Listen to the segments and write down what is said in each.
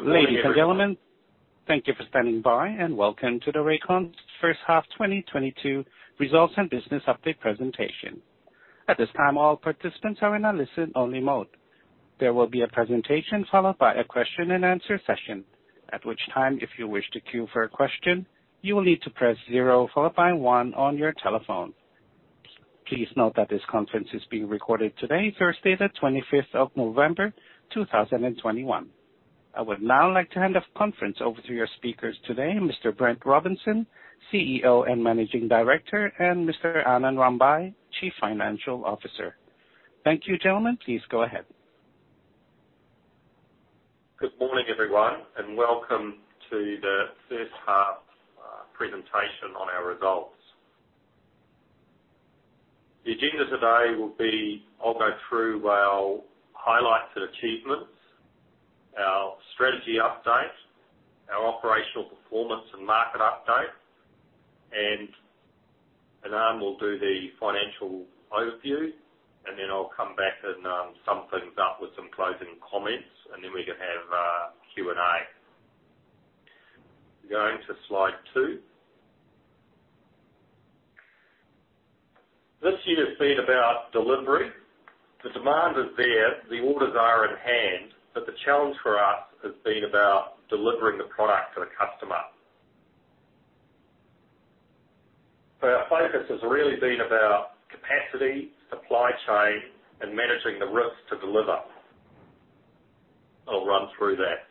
Ladies and gentlemen, thank you for standing by, and welcome to Rakon's first half 2022 results and business update presentation. At this time, all participants are in a listen-only mode. There will be a presentation followed by a question-and-answer session. At which time, if you wish to queue for a question, you will need to press zero followed by one on your telephone. Please note that this conference is being recorded today, Thursday, the 25th of November, 2021. I would now like to turn the conference over to your speakers today, Mr. Brent Robinson, CEO and Managing Director, and Mr. Anand Rambhai, Chief Financial Officer. Thank you, gentlemen. Please go ahead. Good morning, everyone, and welcome to the first half presentation on our results. The agenda today will be, I'll go through our highlights and achievements, our strategy update, our operational performance and market update. Anand will do the financial overview, and then I'll come back and sum things up with some closing comments, and then we can have Q&A. Going to slide two. This year has been about delivery. The demand is there, the orders are in hand, but the challenge for us has been about delivering the product to the customer. So our focus has really been about capacity, supply chain, and managing the risks to deliver. I'll run through that.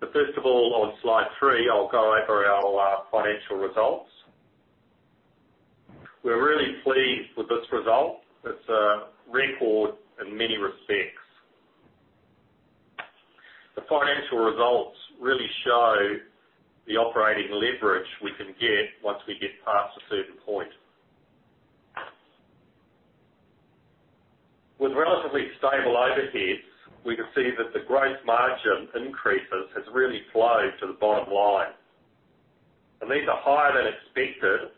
But first of all, on slide three, I'll go over our financial results. We're really pleased with this result. It's a record in many respects. The financial results really show the operating leverage we can get once we get past a certain point. With relatively stable overheads, we can see that the growth margin increases has really flowed to the bottom line. These are higher than expected.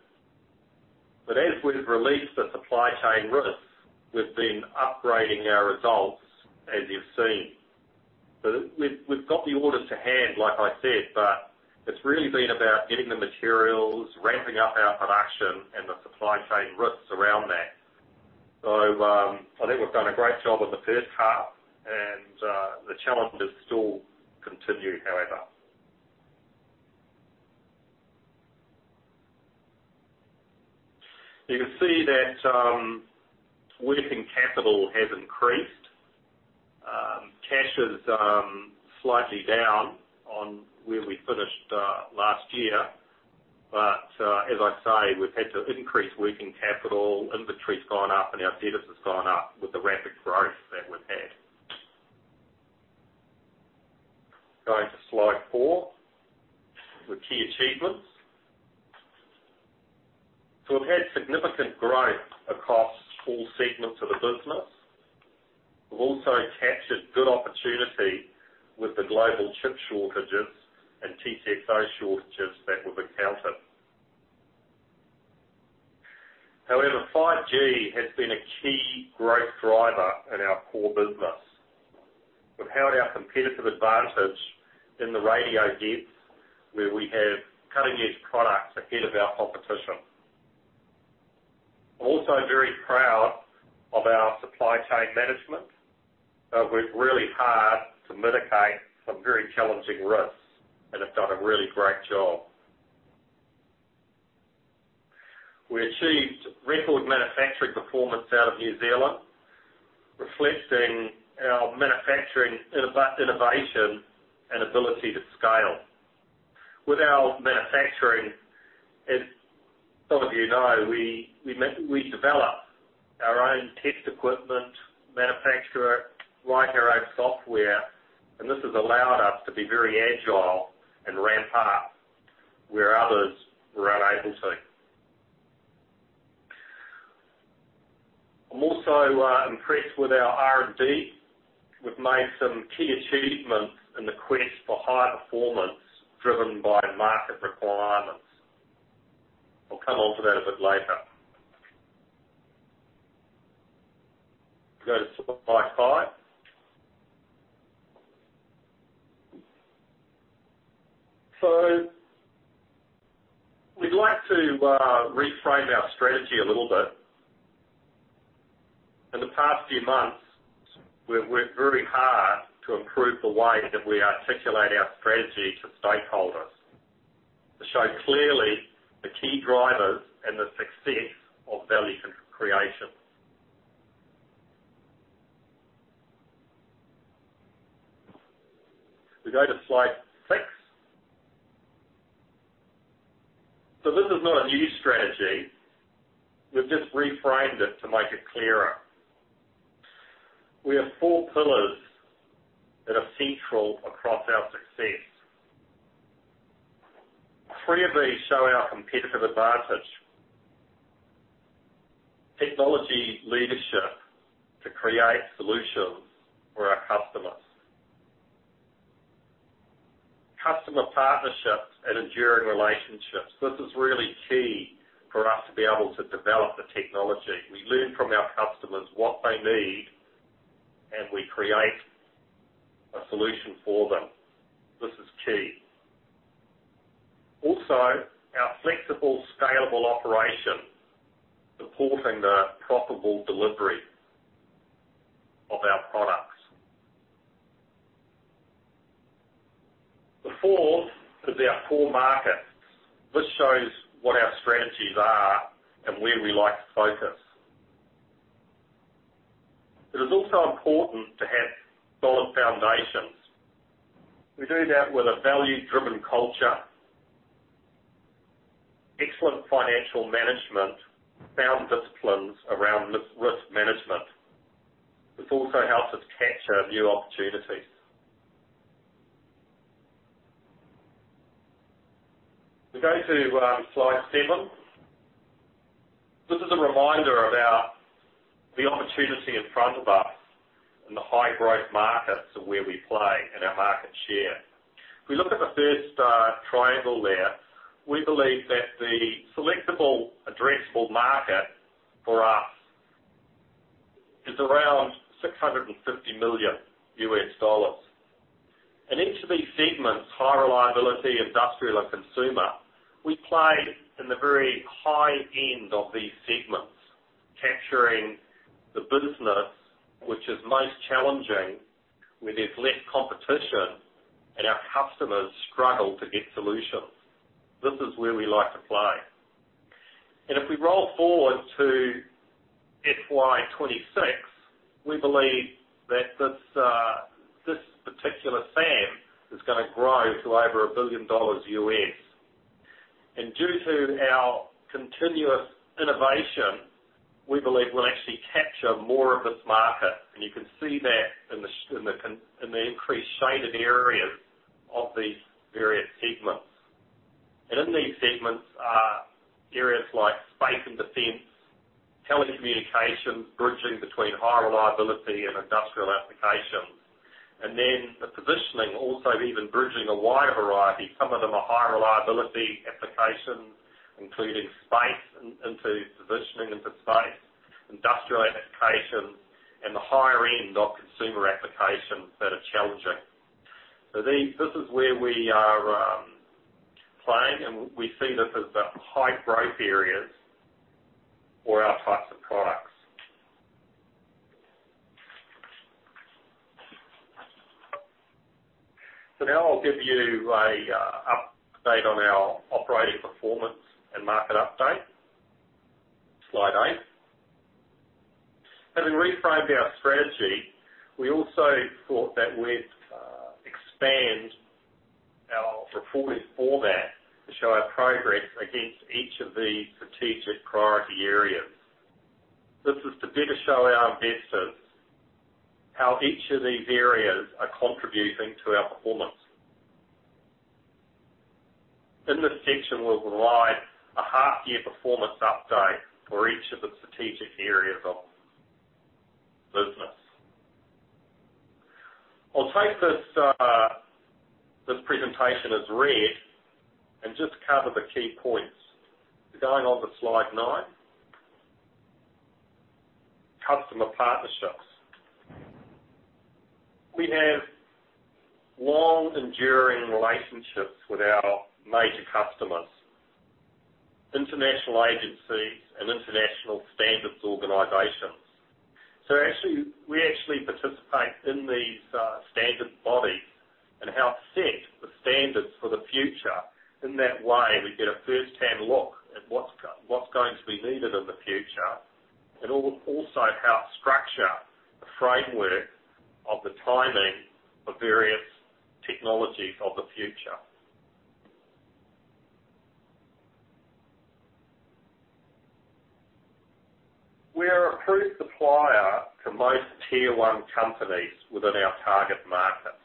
As we've released the supply chain risks, we've been upgrading our results, as you've seen. We've got the orders to hand, like I said, but it's really been about getting the materials, ramping up our production and the supply chain risks around that. I think we've done a great job in the first half, and the challenges still continue, however. You can see that working capital has increased. Cash is slightly down on where we finished last year. As I say, we've had to increase working capital, inventory's gone up and our debtors has gone up with the rapid growth that we've had. Going to slide four. The key achievements. We've had significant growth across all segments of the business. We've also captured good opportunity with the global chip shortages and TCXO shortages that we've encountered. However, 5G has been a key growth driver in our core business. We've held our competitive advantage in the radio heads, where we have cutting-edge products ahead of our competition. Also very proud of our supply chain management. We've worked really hard to mitigate some very challenging risks, and have done a really great job. We achieved record manufacturing performance out of New Zealand, reflecting our manufacturing innovation and ability to scale. With our manufacturing, as some of you know, we develop our own test equipment, manufacture, write our own software, and this has allowed us to be very agile and ramp up where others were unable to. I'm also impressed with our R&D. We've made some key achievements in the quest for high performance driven by market requirements. I'll come on to that a bit later. Go to slide five. We'd like to reframe our strategy a little bit. In the past few months, we've worked very hard to improve the way that we articulate our strategy to stakeholders to show clearly the key drivers and the success of value creation. We go to slide six. This is not a new strategy. We've just reframed it to make it clearer. We have four pillars that are central across our success. Three of these show our competitive advantage. Technology leadership to create solutions for our customers. Customer partnerships and enduring relationships. This is really key for us to be able to develop the technology. We learn from our customers what they need, and we create a solution for them. This is key. Also, our flexible, scalable operation supporting the profitable delivery of our products. The fourth is our core markets. This shows what our strategies are and where we like to focus. It is also important to have solid foundations. We do that with a value-driven culture, excellent financial management, sound disciplines around risk management. This also helps us capture new opportunities. We're going to slide seven. This is a reminder about the opportunity in front of us and the high-growth markets of where we play and our market share. If we look at the first triangle there, we believe that the serviceable addressable market for us is around $650 million. Each of these segments, high reliability, industrial and consumer, we play in the very high end of these segments, capturing the business which is most challenging, where there's less competition and our customers struggle to get solutions. This is where we like to play. If we roll forward to FY 2026, we believe that this particular SAM is gonna grow to over $1 billion. Due to our continuous innovation, we believe we'll actually capture more of this market. You can see that in the increased shaded areas of these various segments. In these segments are areas like space and defense, telecommunications, bridging between high reliability and industrial applications. The positioning also even bridging a wider variety, some of them are high reliability applications, including space into positioning into space, industrial applications, and the higher end of consumer applications that are challenging. This is where we are playing, and we see this as the high growth areas for our types of products. Now I'll give you a update on our operating performance and market update. Slide eight. Having reframed our strategy, we also thought that we'd expand our reporting format to show our progress against each of these strategic priority areas. This is to better show our investors how each of these areas are contributing to our performance. In this section, we'll provide a half-year performance update for each of the strategic areas of business. I'll take this presentation as read and just cover the key points. Going on to slide nine. Customer partnerships. We have long enduring relationships with our major customers, international agencies and international standards organizations. Actually, we participate in these standard bodies and help set the standards for the future. In that way, we get a first-hand look at what's going to be needed in the future, and also help structure the framework of the timing for various technologies of the future. We are an approved supplier to most tier one companies within our target markets.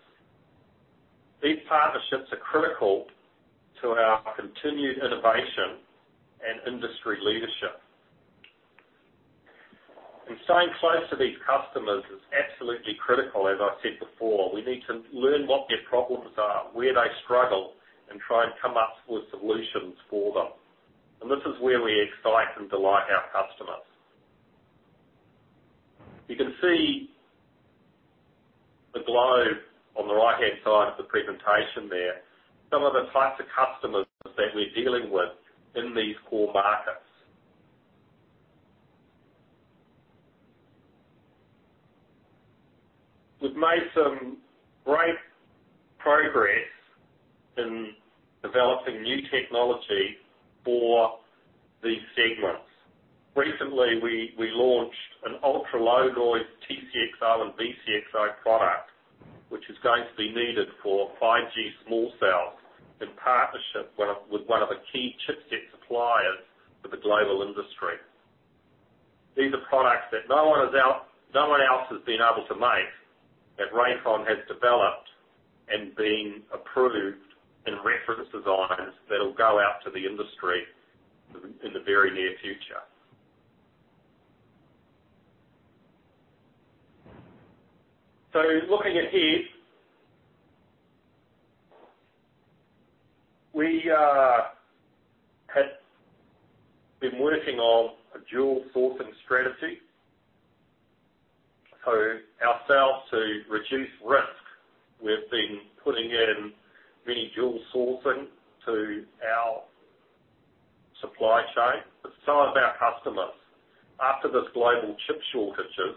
These partnerships are critical to our continued innovation and industry leadership. Staying close to these customers is absolutely critical, as I said before. We need to learn what their problems are, where they struggle, and try and come up with solutions for them. This is where we excite and delight our customers. You can see the globe on the right-hand side of the presentation there, some of the types of customers that we're dealing with in these core markets. We've made some great progress in developing new technology for these segments. Recently, we launched an ultra-low noise TCXO and VCXO product, which is going to be needed for 5G small cells in partnership with one of the key chipset suppliers for the global industry. These are products that no one else has been able to make, that Rakon has developed and been approved in reference designs that'll go out to the industry in the very near future. Looking at here, we had been working on a dual sourcing strategy. Ourselves to reduce risk, we've been putting in many dual sourcing to our supply chain. Some of our customers, after this global chip shortages,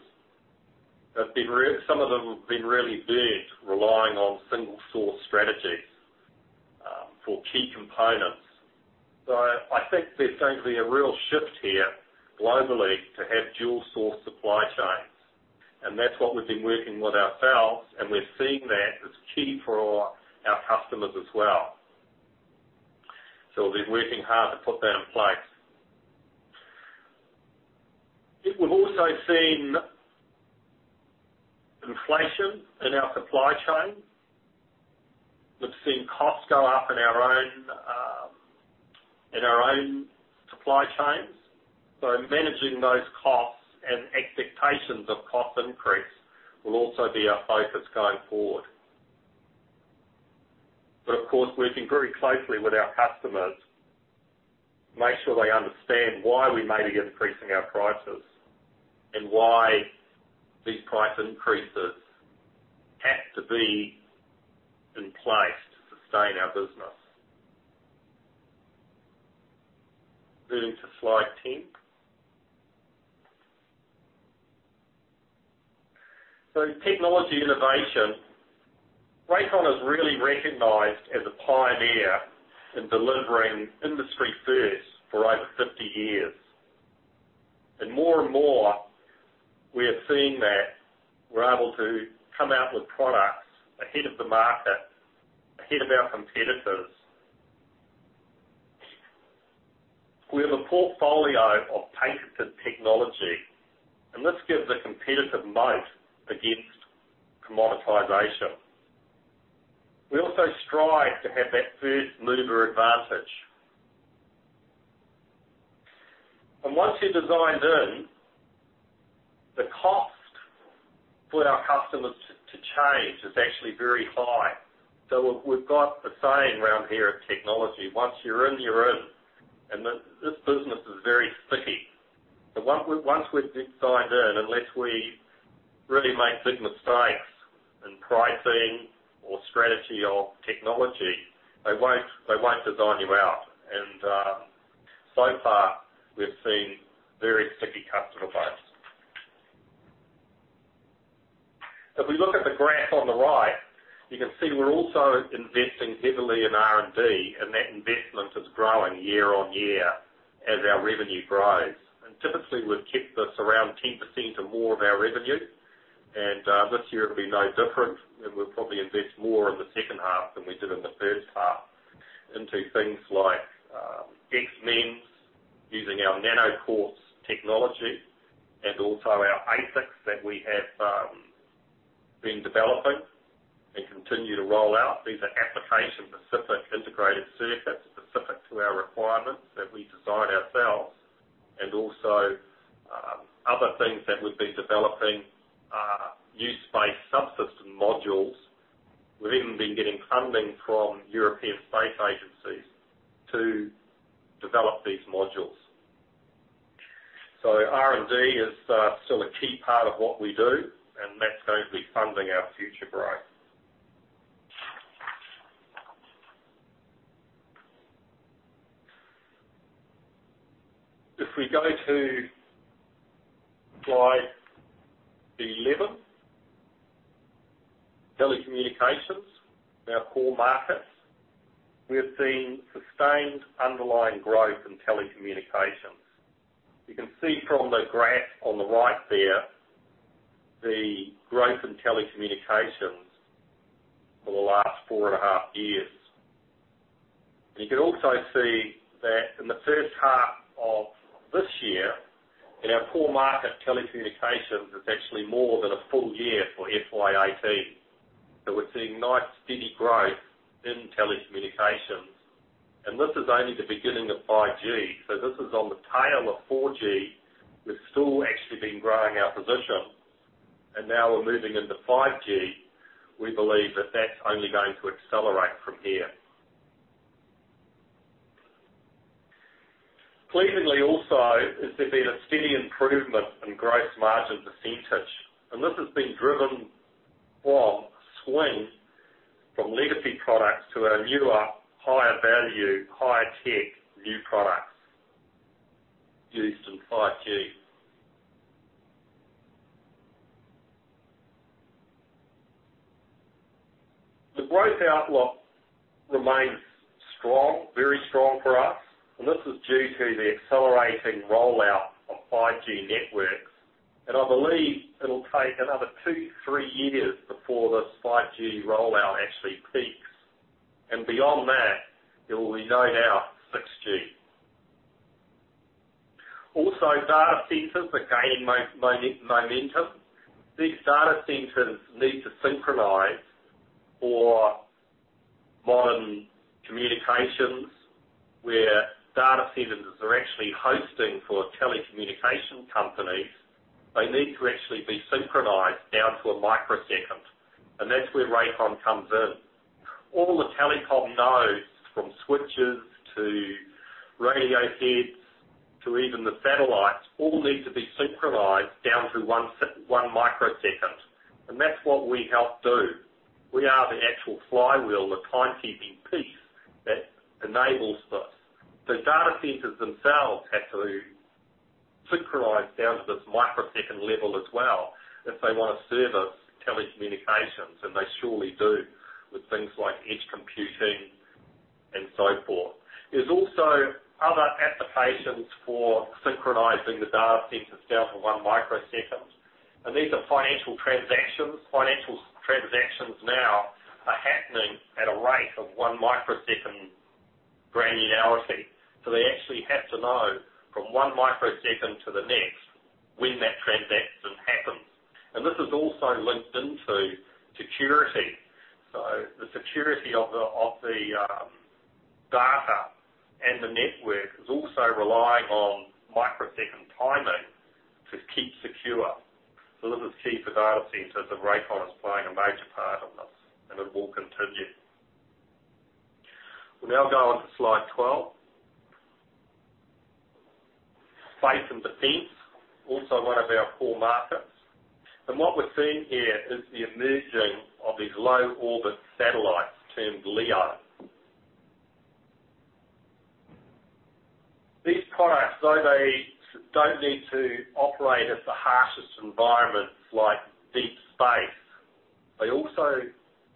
some of them have been really burnt relying on single source strategies for key components. I think there's going to be a real shift here globally to have dual source supply chains. That's what we've been working with ourselves, and we're seeing that as key for our customers as well. We've been working hard to put that in place. We've also seen inflation in our supply chains. We've seen costs go up in our own supply chains. Managing those costs and expectations of cost increase will also be our focus going forward. Of course, working very closely with our customers, make sure they understand why we may be increasing our prices and why these price increases have to be in place to sustain our business. Moving to slide 10. Technology innovation. Rakon is really recognized as a pioneer in delivering industry first for over 50 years. More and more, we are seeing that we're able to come out with products ahead of the market, ahead of our competitors. We have a portfolio of patented technology, and this gives a competitive moat against commoditization. We also strive to have that first-mover advantage. Once you're designed in, the cost for our customers to change is actually very high. We've got a saying around here at technology, "Once you're in, you're in." This business is very sticky. Once we've been designed in, unless we really make big mistakes in pricing or strategy or technology, they won't design you out. So far, we've seen very sticky customer base. If we look at the graph on the right, you can see we're also investing heavily in R&D, and that investment is growing year-on-year as our revenue grows. Typically, we've kept this around 10% or more of our revenue. This year it'll be no different, and we'll probably invest more in the second half than we did in the first half into things like XMEMS using our NanoQuartz technology and also our ASICs that we have been developing and continue to roll out. These are application-specific integrated circuits specific to our requirements that we design ourselves. Other things that we've been developing are NewSpace subsystem modules. We've even been getting funding from European Space Agency to develop these modules. R&D is still a key part of what we do, and that's going to be funding our future growth. If we go to slide 11, telecommunications, our core markets, we have seen sustained underlying growth in telecommunications. You can see from the graph on the right there the growth in telecommunications for the last 4.5 years. You can also see that in the first half of this year, in our core market, telecommunications is actually more than a full year for FY 2018. We're seeing nice, steady growth in telecommunications, and this is only the beginning of 5G. This is on the tail of 4G. We've still actually been growing our position, and now we're moving into 5G. We believe that that's only going to accelerate from here. Pleasingly also is there's been a steady improvement in gross margin percentage, and this has been driven from a swing from legacy products to our newer, higher value, high tech new products used in 5G. The growth outlook remains strong, very strong for us, and this is due to the accelerating rollout of 5G networks. I believe it'll take another 2-3 years before this 5G rollout actually peaks. Beyond that, it will be known as 6G. Also, data centers are gaining momentum. These data centers need to synchronize for modern communication. Actually hosting for telecommunication companies, they need to actually be synchronized down to a microsecond, and that's where Rakon comes in. All the telecom nodes, from switches to radio heads to even the satellites, all need to be synchronized down to one microsecond, and that's what we help do. We are the actual flywheel, the timekeeping piece that enables this. The data centers themselves have to synchronize down to this microsecond level as well if they wanna service telecommunications, and they surely do with things like edge computing and so forth. There's also other applications for synchronizing the data centers down to one microsecond, and these are financial transactions. Financial transactions now are happening at a rate of one microsecond granularity, so they actually have to know from one microsecond to the next when that transaction happens. This is also linked into security. The security of the data and the network is also relying on microsecond timing to keep secure. This is key for data centers, and Rakon is playing a major part in this, and it will continue. We now go on to slide twelve. Space and defense, also one of our core markets. What we're seeing here is the emerging of these low orbit satellites, termed LEO. These products, though they don't need to operate at the harshest environments like deep space, they also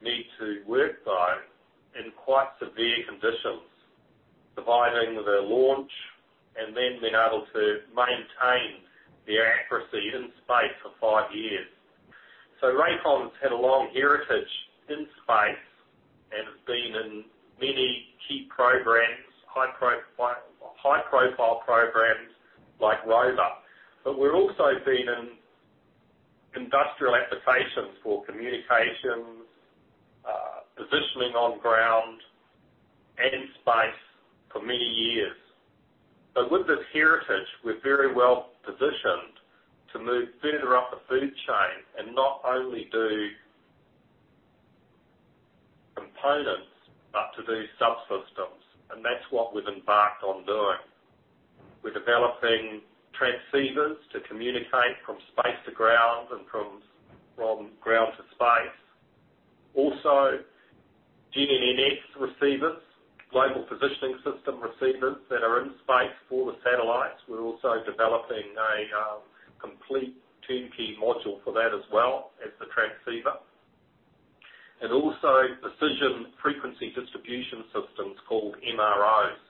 need to work though in quite severe conditions, surviving the launch and then being able to maintain their accuracy in space for five years. Rakon's had a long heritage in space and has been in many key programs, high profile programs like Rover. We've also been in industrial applications for communications, positioning on ground and in space for many years. With this heritage, we're very well-positioned to move further up the food chain and not only do components, but to do subsystems. That's what we've embarked on doing. We're developing transceivers to communicate from space to ground and from ground to space. Also, GNSS receivers, global positioning system receivers that are in space for the satellites. We're also developing a complete turnkey module for that as well as the transceiver. Also precision frequency distribution systems called MROs.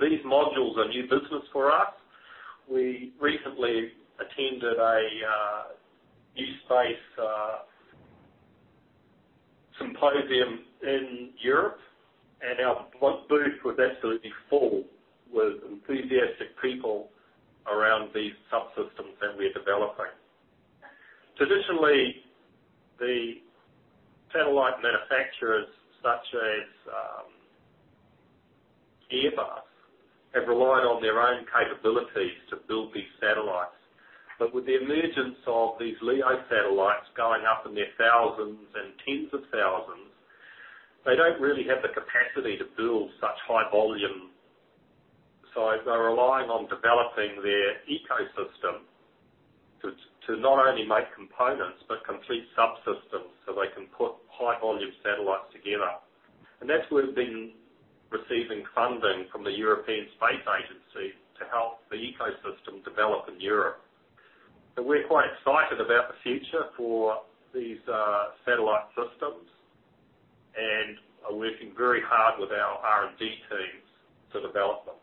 These modules are new business for us. We recently attended a new space symposium in Europe, and our booth was absolutely full with enthusiastic people around these subsystems that we're developing. Traditionally, the satellite manufacturers such as Airbus have relied on their own capabilities to build these satellites. With the emergence of these LEO satellites going up in their thousands and tens of thousands, they don't really have the capacity to build such high volume. They're relying on developing their ecosystem to not only make components, but complete subsystems so they can put high volume satellites together. That's where we've been receiving funding from the European Space Agency to help the ecosystem develop in Europe. We're quite excited about the future for these satellite systems and are working very hard with our R&D teams to develop them.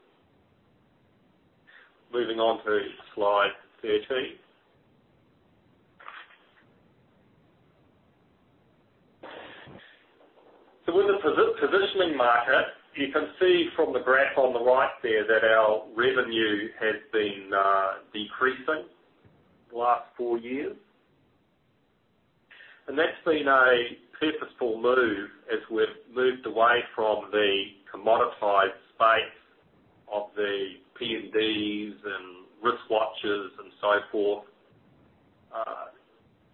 Moving on to slide 13. With the positioning market, you can see from the graph on the right there that our revenue has been decreasing the last four years. That's been a purposeful move as we've moved away from the commoditized space of the PNDs and wristwatches and so forth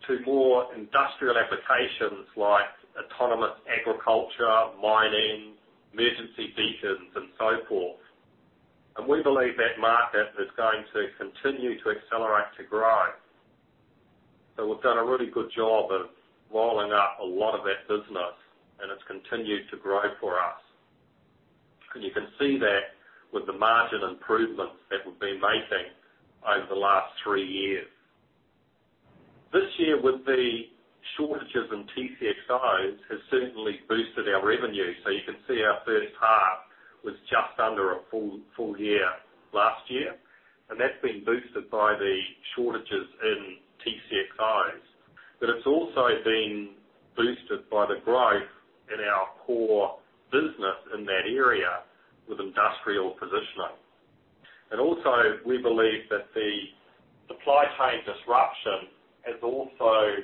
to more industrial applications like autonomous agriculture, mining, emergency beacons, and so forth. We believe that market is going to continue to accelerate to growth. We've done a really good job of rolling up a lot of that business and it's continued to grow for us. You can see that with the margin improvements that we've been making over the last three years. This year with the shortages in TCXOs has certainly boosted our revenue. You can see our first half was just under a full year last year, and that's been boosted by the shortages in TCXOs. It's also been boosted by the growth in our core business in that area with industrial positioning. We believe that the supply chain disruption has also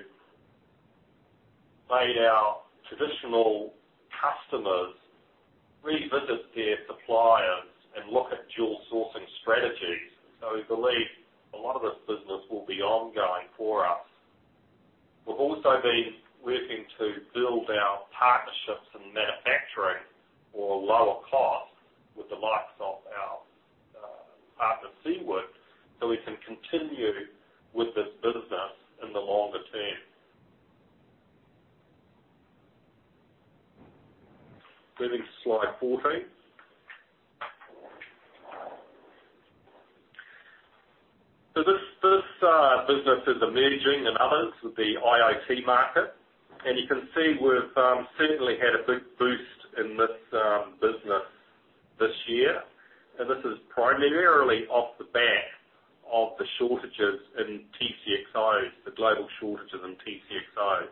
made our customers revisit their suppliers and look at dual sourcing strategies. We believe a lot of this business will be ongoing for us. We've also been working to build our partnerships in manufacturing for lower cost with the likes of our partner Siward, so we can continue with this business in the longer term. Moving to slide 14. This business is emerging industries with the IoT market. You can see we've certainly had a big boost in this business this year. This is primarily off the back of the shortages in TCXOs, the global shortages in TCXOs,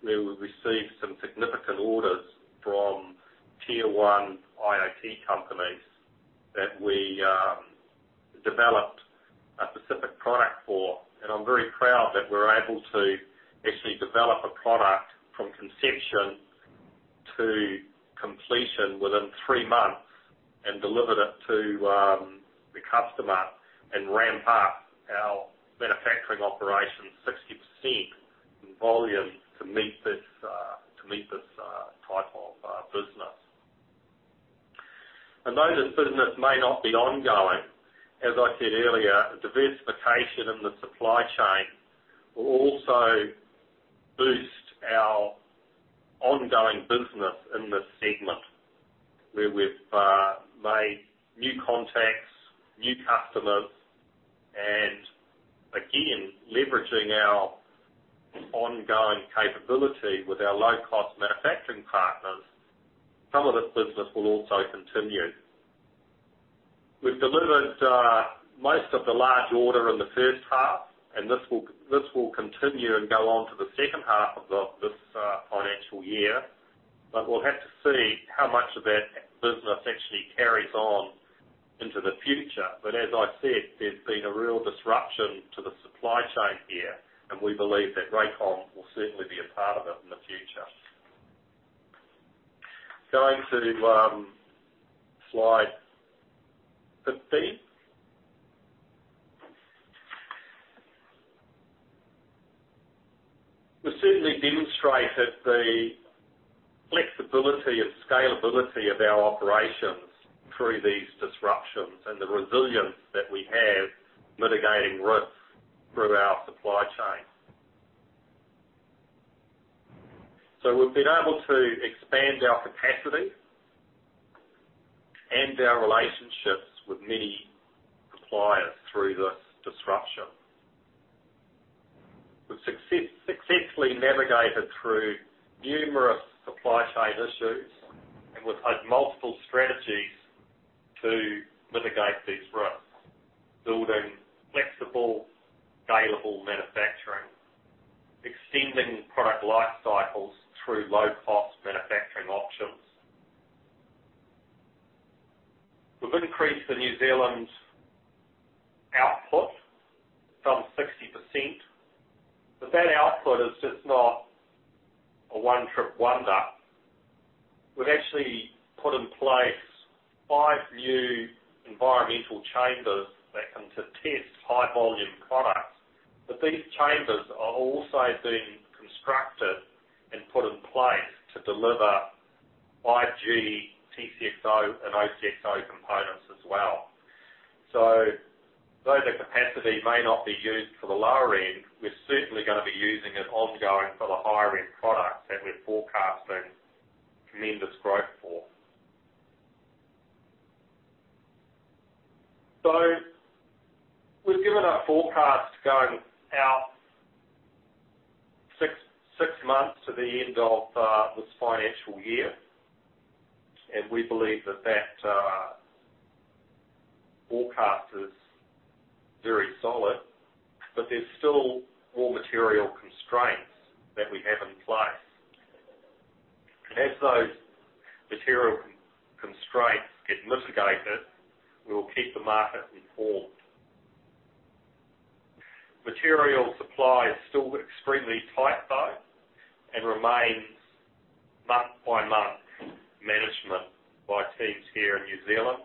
where we've received some significant orders from tier one IoT companies that we developed a specific product for. I'm very proud that we're able to actually develop a product from conception to completion within three months and delivered it to the customer and ramp up our manufacturing operations 60% in volume to meet this type of business. Though this business may not be ongoing, as I said earlier, diversification in the supply chain will also boost our ongoing business in this segment, where we've made new contacts, new customers, and again, leveraging our ongoing capability with our low-cost manufacturing partners. Some of this business will also continue. We've delivered most of the large order in the first half, and this will continue and go on to the second half of the financial year, but we'll have to see how much of that business actually carries on into the future. As I said, there's been a real disruption to the supply chain here, and we believe that Rakom will certainly be a part of it in the future. Going to slide 15. We certainly demonstrated the flexibility and scalability of our operations through these disruptions and the resilience that we have mitigating risks through our supply chain. We've been able to expand our capacity and our relationships with many suppliers through this disruption. We've successfully navigated through numerous supply chain issues, and we've had multiple strategies to mitigate these risks, building flexible, scalable manufacturing, extending product life cycles through low-cost manufacturing options. We've increased the New Zealand output some 60%, but that output is just not a one-trip wonder. We've actually put in place five new environmental chambers that can test high volume products. These chambers are also being constructed and put in place to deliver 5G TCXO and OCXO components as well. Though the capacity may not be used for the lower end, we're certainly gonna be using it ongoing for the higher end products that we're forecasting tremendous growth for. We've given our forecast going out six months to the end of this financial year. We believe that forecast is very solid, but there's still raw material constraints that we have in place. As those material constraints get mitigated, we will keep the market informed. Material supply is still extremely tight, though, and remains month-by-month management by teams here in New Zealand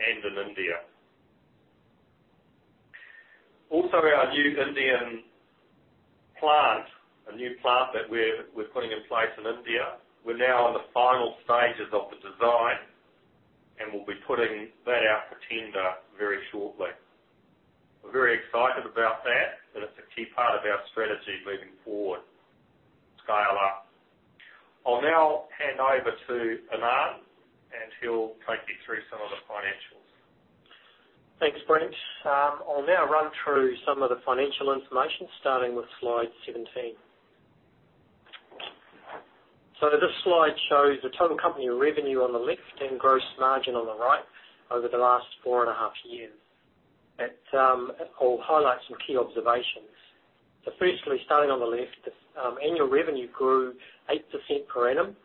and in India. Also, our new Indian plant, a new plant that we're putting in place in India, we're now in the final stages of the design, and we'll be putting that out for tender very shortly. We're very excited about that, and it's a key part of our strategy moving forward to scale up. I'll now hand over to Anand, and he'll take you through some of the financials. Thanks, Brent. I'll now run through some of the financial information, starting with slide 17. This slide shows the total company revenue on the left and gross margin on the right over the last four and a half years. It will highlight some key observations. Firstly, starting on the left, annual revenue grew 8% per annum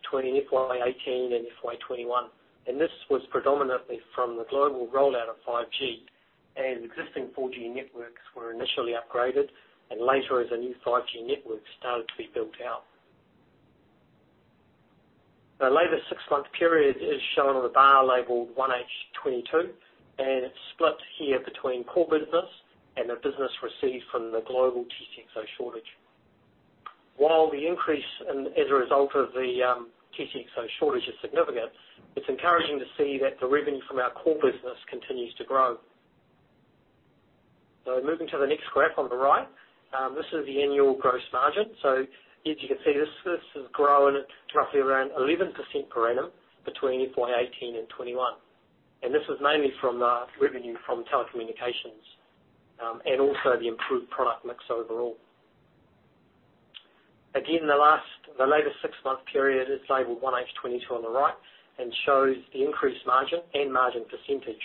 between FY 2018 and FY 2021, and this was predominantly from the global rollout of 5G. As existing 4G networks were initially upgraded and later as a new 5G network started to be built out. The latter 6-month period is shown on the bar labeled 1H 2022, and it's split here between core business and the business received from the global TCXO shortage. While the increase as a result of the TCXO shortage is significant, it's encouraging to see that the revenue from our core business continues to grow. Moving to the next graph on the right, this is the annual gross margin. As you can see, this has grown at roughly 11% per annum between FY 2018 and 2021, and this is mainly from revenue from telecommunications and also the improved product mix overall. Again, the later six-month period is labeled 1H 2022 on the right and shows the increased margin and margin percentage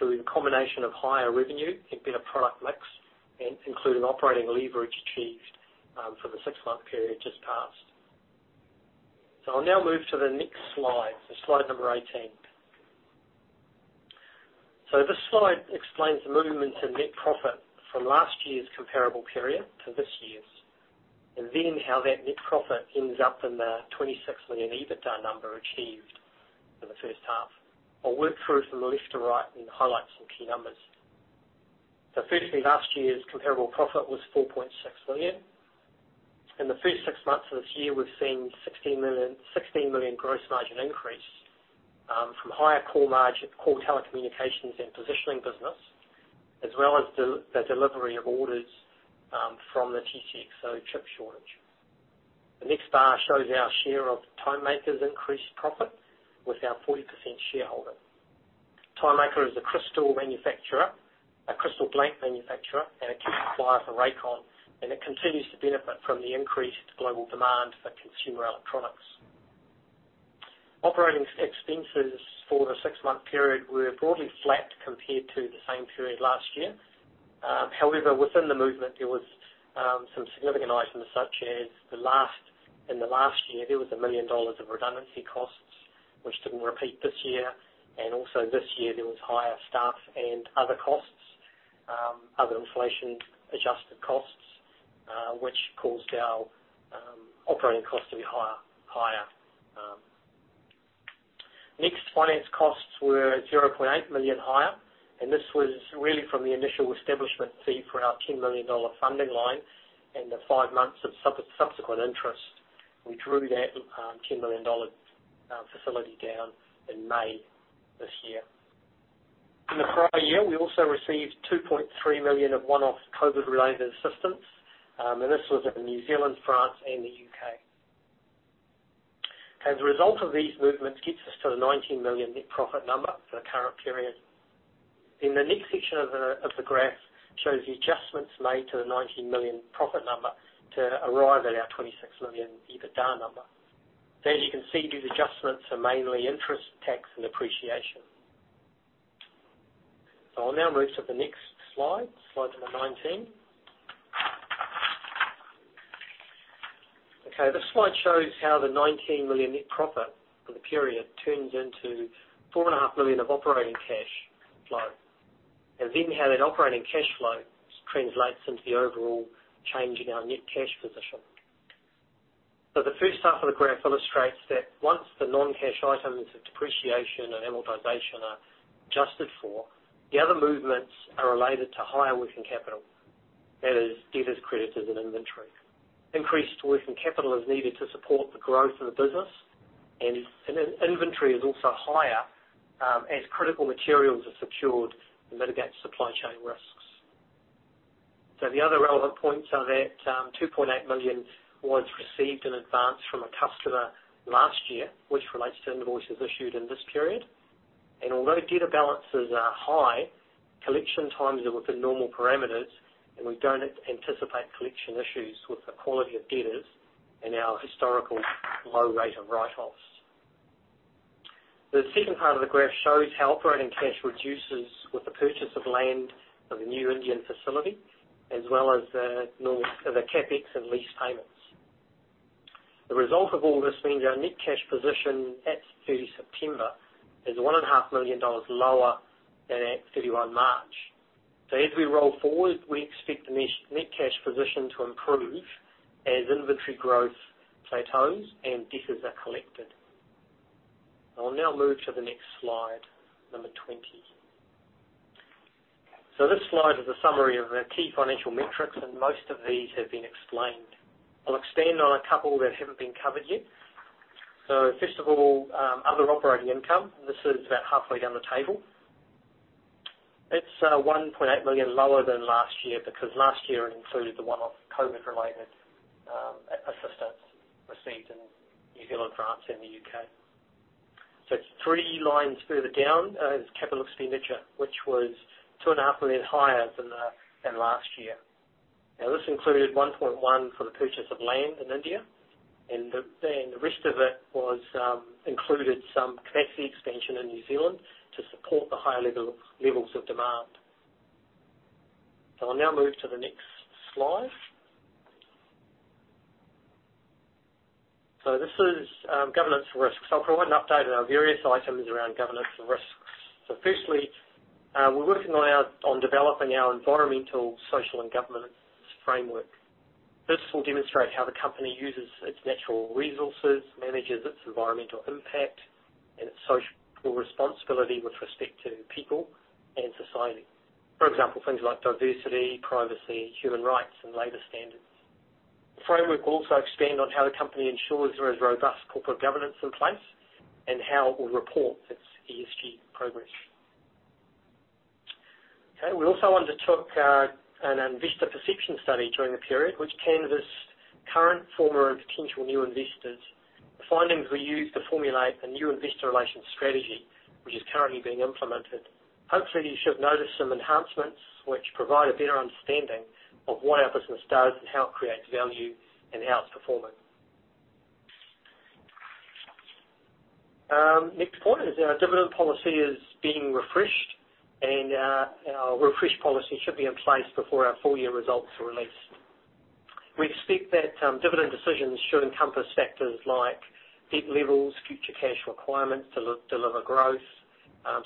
through a combination of higher revenue and better product mix, including operating leverage achieved for the six-month period just past. I'll now move to the next slide number 18. This slide explains the movement in net profit from last year's comparable period to this year's, and then how that net profit ends up in the 26 million EBITDA number achieved in the first half. I'll work through from the left to right and highlight some key numbers. Firstly, last year's comparable profit was 4.6 million. In the first six months of this year, we've seen 16 million gross margin increase from higher core margin, core telecommunications and positioning business, as well as the delivery of orders from the TCXO chip shortage. The next bar shows our share of Timemaker's increased profit with our 40% shareholding. Timemaker is a crystal manufacturer, a crystal blank manufacturer, and a key supplier for Rakon, and it continues to benefit from the increased global demand for consumer electronics. Operating expenses for the six-month period were broadly flat compared to the same period last year. However, within the movement there was some significant items, such as in the last year, there was 1 million dollars of redundancy costs, which didn't repeat this year, and also this year there was higher staff and other costs, other inflation-adjusted costs, which caused our operating costs to be higher. Next, finance costs were 0.8 million higher, and this was really from the initial establishment fee for our 10 million dollar funding line and the five months of subsequent interest. We drew that 10 million dollar facility down in May this year. In the prior year, we also received 2.3 million of one-off COVID-related assistance, and this was in New Zealand, France, and the U.K. As a result of these movements gets us to the 19 million net profit number for the current period. In the next section of the graph shows the adjustments made to the 19 million profit number to arrive at our 26 million EBITDA number. As you can see, these adjustments are mainly interest, tax, and depreciation. I'll now move to the next slide number 19. Okay, this slide shows how the 19 million net profit for the period turns into 4.5 million of operating cash flow, and then how that operating cash flow translates into the overall change in our net cash position. The first half of the graph illustrates that once the non-cash items of depreciation and amortization are adjusted for, the other movements are related to higher working capital. That is debtors, creditors, and inventory. Increased working capital is needed to support the growth of the business, and inventory is also higher, as critical materials are secured to mitigate supply chain risks. The other relevant points are that, two point eight million was received in advance from a customer last year, which relates to invoices issued in this period. Although debtor balances are high, collection times are within normal parameters, and we don't anticipate collection issues with the quality of debtors and our historical low rate of write-offs. The second part of the graph shows how operating cash reduces with the purchase of land for the new Indian facility as well as the non-CapEx and lease payments. The result of all this means our net cash position at 30 September is 1.5 million dollars lower than at 31 March. As we roll forward, we expect the net cash position to improve as inventory growth plateaus and debtors are collected. I will now move to the next slide, number 20. This slide is a summary of our key financial metrics, and most of these have been explained. I'll expand on a couple that haven't been covered yet. First of all, other operating income, and this is about halfway down the table. It's 1.8 million lower than last year because last year it included the one-off COVID-related assistance received in New Zealand, France, and the U.K. It's three lines further down, is capital expenditure, which was 2.5 million higher than last year. Now, this included 1.1 for the purchase of land in India and the rest of it was included some capacity expansion in New Zealand to support the higher levels of demand. I'll now move to the next slide. This is governance risks. I'll provide an update on our various items around governance and risks. Firstly, we're working on developing our environmental, social, and governance framework. This will demonstrate how the company uses its natural resources, manages its environmental impact and its social responsibility with respect to people and society. For example, things like diversity, privacy, human rights, and labor standards. The framework will also expand on how the company ensures there is robust corporate governance in place and how it will report its ESG progress. Okay, we also undertook an investor perception study during the period, which canvassed current, former, and potential new investors. The findings were used to formulate a new investor relations strategy, which is currently being implemented. Hopefully, you should notice some enhancements which provide a better understanding of what our business does and how it creates value and how it's performing. Next point is our dividend policy is being refreshed, and our refreshed policy should be in place before our full year results are released. We expect that dividend decisions should encompass factors like debt levels, future cash requirements to de-deliver growth,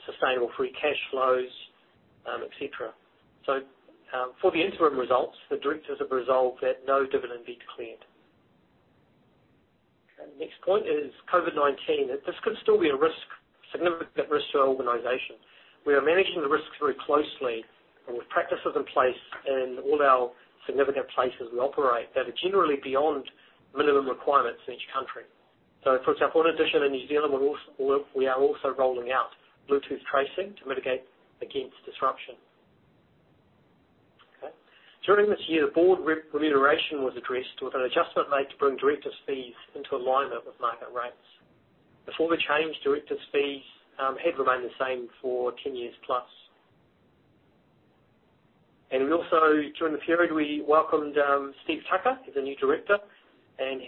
sustainable free cash flows, et cetera. For the interim results, the directors have resolved that no dividend be declared. Next point is COVID-19. This could still be a risk, significant risk to our organization. We are managing the risks very closely and with practices in place in all our significant places we operate that are generally beyond minimum requirements in each country. For example, in addition, in New Zealand, we are also rolling out Bluetooth tracing to mitigate against disruption. During this year, the board remuneration was addressed with an adjustment made to bring directors' fees into alignment with market rates. Before the change, directors' fees had remained the same for 10 years plus. We also, during the period, welcomed Steven Tucker as a new director, and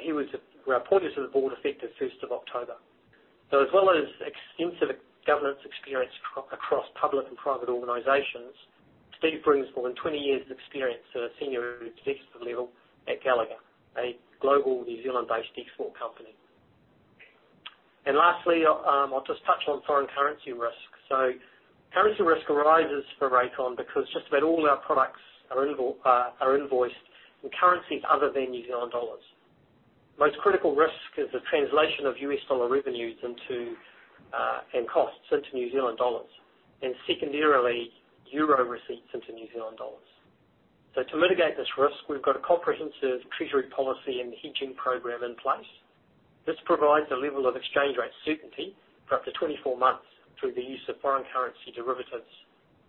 he was appointed to the board effective first of October. As well as extensive governance experience across public and private organizations, Steven brings more than 20 years' experience at a senior executive level at Gallagher, a global New Zealand-based export company. Lastly, I'll just touch on foreign currency risk. Currency risk arises for Rakon because just about all our products are invoiced in currencies other than New Zealand dollars. Most critical risk is the translation of US dollar revenues into and costs into New Zealand dollars, and secondarily, euro receipts into New Zealand dollars. To mitigate this risk, we've got a comprehensive treasury policy and hedging program in place. This provides a level of exchange rate certainty for up to 24 months through the use of foreign currency derivatives,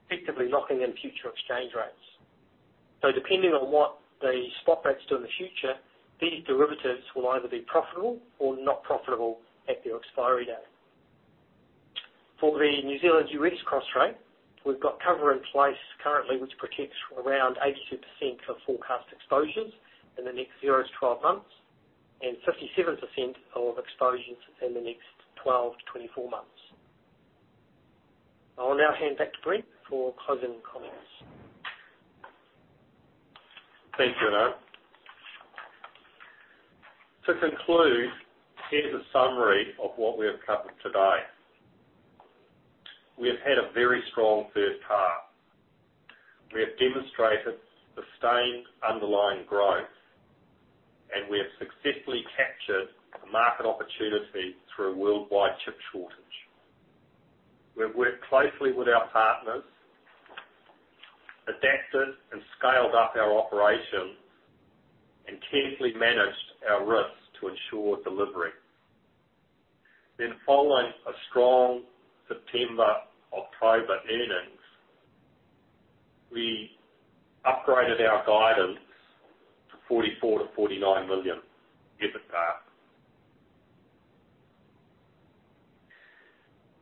effectively locking in future exchange rates. Depending on what the spot rates do in the future, these derivatives will either be profitable or not profitable at their expiry date. For the New Zealand/EUR cross rate, we've got cover in place currently which protects around 82% of forecast exposures in the next 0-12 months, and 57% of exposures in the next 12-24 months. I will now hand back to Brent for closing comments. Thank you, Anand Rambhai. To conclude, here's a summary of what we have covered today. We have had a very strong first half. We have demonstrated sustained underlying growth, and we have successfully captured a market opportunity through a worldwide chip shortage. We've worked closely with our partners, adapted and scaled up our operations, and carefully managed our risks to ensure delivery. Following a strong September/October earnings, we upgraded our guidance to 44 million-49 million year to date.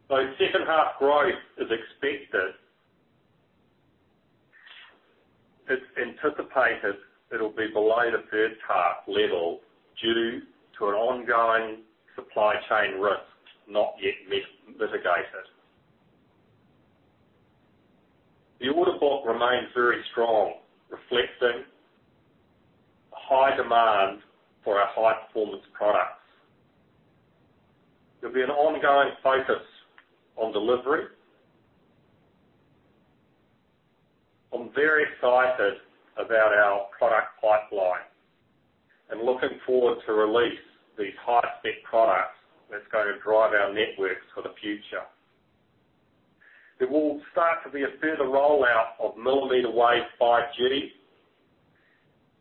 Though second half growth is expected, it's anticipated it'll be below the third half level due to an ongoing supply chain risk not yet mitigated. The order book remains very strong, reflecting high demand for our high-performance products. There'll be an ongoing focus on delivery. I'm very excited about our product pipeline and looking forward to release these high-spec products that's gonna drive our networks for the future. There will start to be a further rollout of millimeter wave 5G,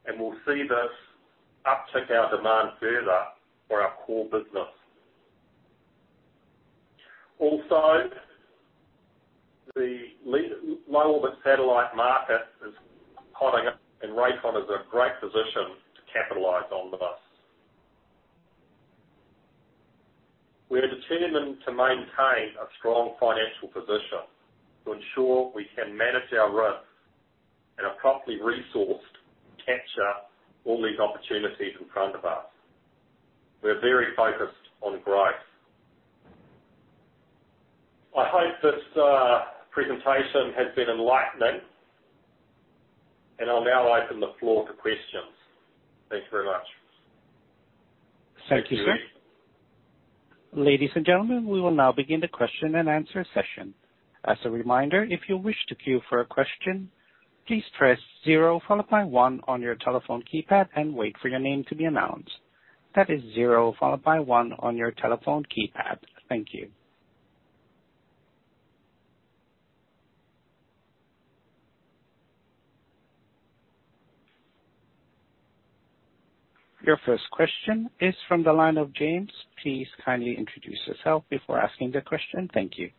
and we'll see this uptick in our demand further for our core business. Also, the low-orbit satellite market is hotting up, and Rakon is in a great position to capitalize on this. We are determined to maintain a strong financial position to ensure we can manage our risks and are properly resourced to capture all these opportunities in front of us. We're very focused on growth. I hope this presentation has been enlightening. I'll now open the floor to questions. Thanks very much. Thank you, sir. Ladies and gentlemen, we will now begin the question and answer session. As a reminder, if you wish to queue for a question, please press zero followed by one on your telephone keypad and wait for your name to be announced. That is zero followed by one on your telephone keypad. Thank you. Your first question is from the line of James. Please kindly introduce yourself before asking the question. Thank you.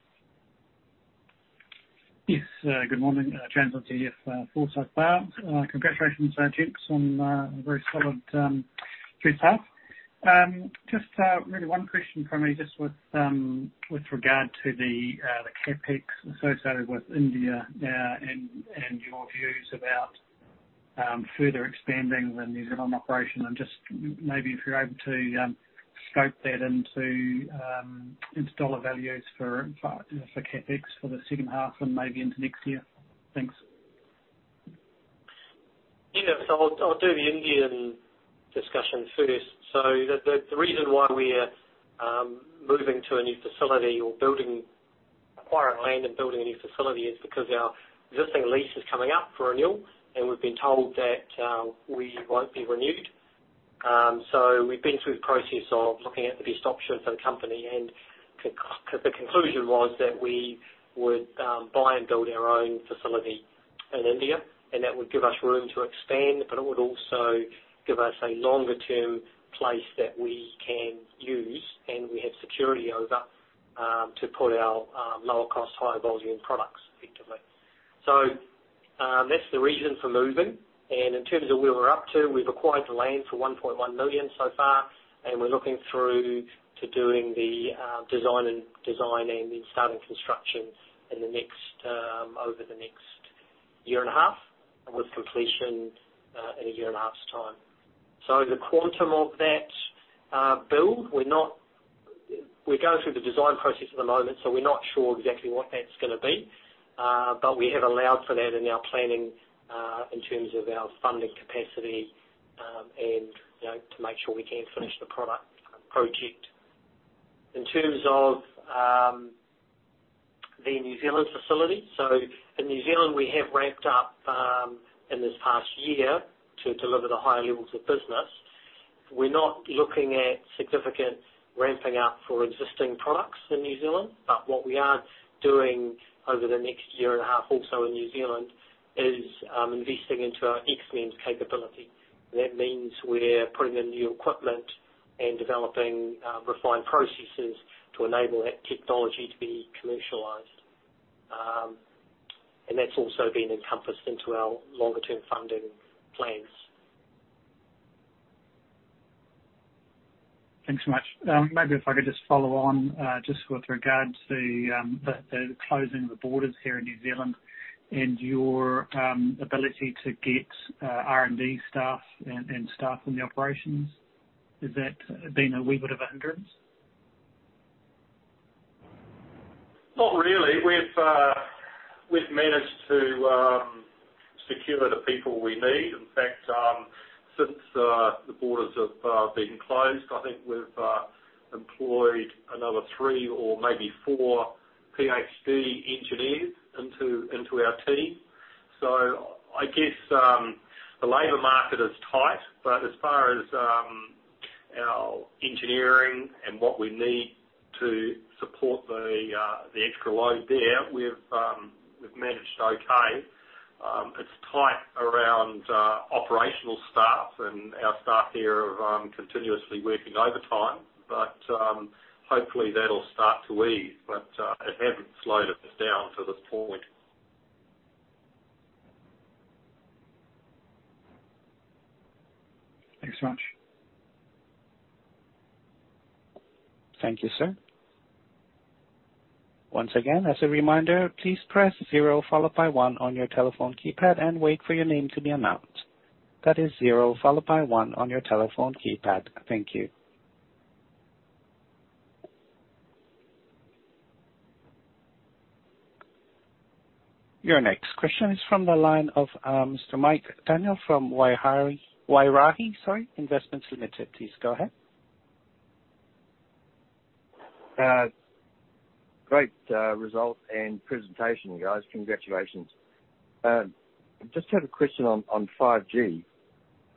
Yes. Good morning. James Lindsay, Forsyth Barr. Congratulations, gents on a very solid first half. Just really one question from me, just with regard to the CapEx associated with India, and your views about further expanding the New Zealand operation and just maybe if you're able to scope that into dollar values for CapEx for the second half and maybe into next year. Thanks. I'll do the Indian discussion first. The reason why we are moving to a new facility is because our existing lease is coming up for renewal, and we've been told that we won't be renewed. We've been through the process of looking at the best options for the company. The conclusion was that we would buy and build our own facility in India, and that would give us room to expand, but it would also give us a longer term place that we can use and we have security over to put our lower cost, higher volume products effectively. That's the reason for moving. In terms of where we're up to, we've acquired the land for 1.1 million so far, and we're looking forward to doing the design and starting construction over the next year and a half. With completion in a year and a half's time. The quantum of that build, we're going through the design process at the moment, so we're not sure exactly what that's gonna be. But we have allowed for that in our planning in terms of our funding capacity, and you know, to make sure we can finish the project. In terms of the New Zealand facility. In New Zealand, we have ramped up in this past year to deliver the higher levels of business. We're not looking at significant ramping up for existing products in New Zealand, but what we are doing over the next year and a half also in New Zealand is investing into our X-band capability. That means we're putting in new equipment and developing refined processes to enable that technology to be commercialized. That's also been encompassed into our longer term funding plans. Thanks much. Maybe if I could just follow on, just with regards to, the closing of the borders here in New Zealand and your ability to get R&D staff and staff in the operations. Has that been a wee bit of a hindrance? Not really. We've managed to secure the people we need. In fact, since the borders have been closed, I think we've employed another three or maybe four PhD engineers into our team. I guess the labor market is tight, but as far as our engineering and what we need to support the extra load there, we've managed okay. It's tight around operational staff and our staff here are continuously working overtime, but hopefully that'll start to ease. It hasn't slowed us down to this point. Thanks much. Thank you, sir. Thank you. Your next question is from the line of Mr. Michael Daniel from Wairahi Investments Limited. Please go ahead. Great result and presentation, guys. Congratulations. Just had a question on 5G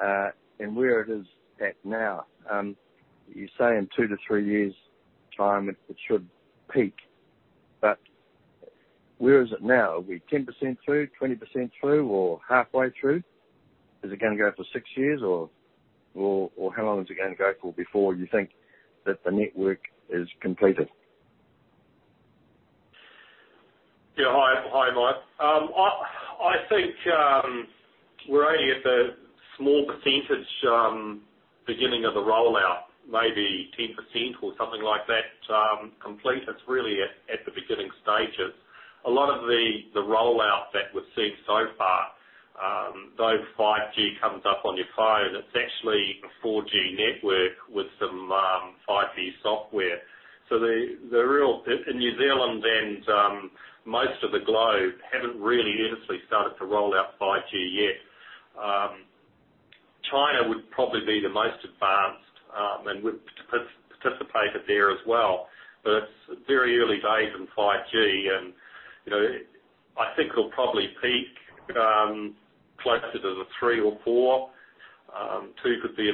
and where it is at now. You say in 2-3 years' time it should peak, but where is it now? Are we 10% through, 20% through, or halfway through? Is it gonna go for 6 years or how long is it gonna go for before you think that the network is completed? Hi, Mike. I think we're only at the small percentage beginning of the rollout, maybe 10% or something like that complete. It's really at the beginning stage. A lot of the rollout that we've seen so far, though 5G comes up on your phone, it's actually a 4G network with some 5G software. In New Zealand and most of the globe haven't really initially started to roll out 5G yet. China would probably be the most advanced, and we've participated there as well. It's very early days in 5G, and you know, I think it'll probably peak closer to the three or four. Two could be a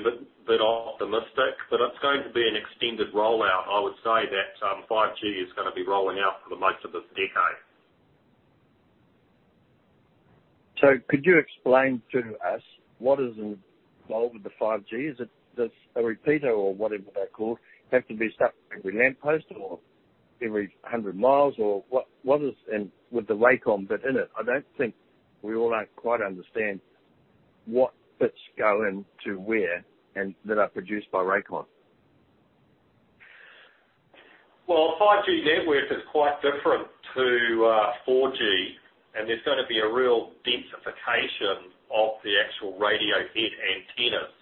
bit optimistic, but it's going to be an extended rollout. I would say that 5G is gonna be rolling out for the most of this decade. Could you explain to us what is involved with the 5G? Is it just a repeater or whatever they're called, have to be set every lamp post or every 100 miles or what? With the Rakon bit in it, I don't think we all don't quite understand what bits go into where and that are produced by Rakon. Well, 5G network is quite different to 4G, and there's gonna be a real densification of the actual radio head antennas.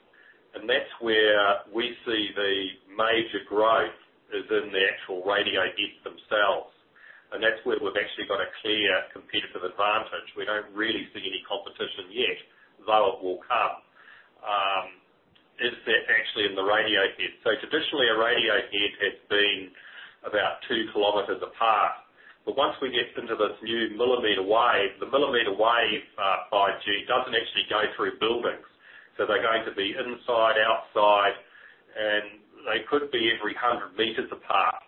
That's where we see the major growth is in the actual radio heads themselves. That's where we've actually got a clear competitive advantage. We don't really see any competition yet, though it will come. Is that actually in the radio head? Traditionally, a radio head has been about two kilometers apart. Once we get into this new millimeter wave, the millimeter wave, 5G doesn't actually go through buildings. They're going to be inside, outside, and they could be every 100 meters apart.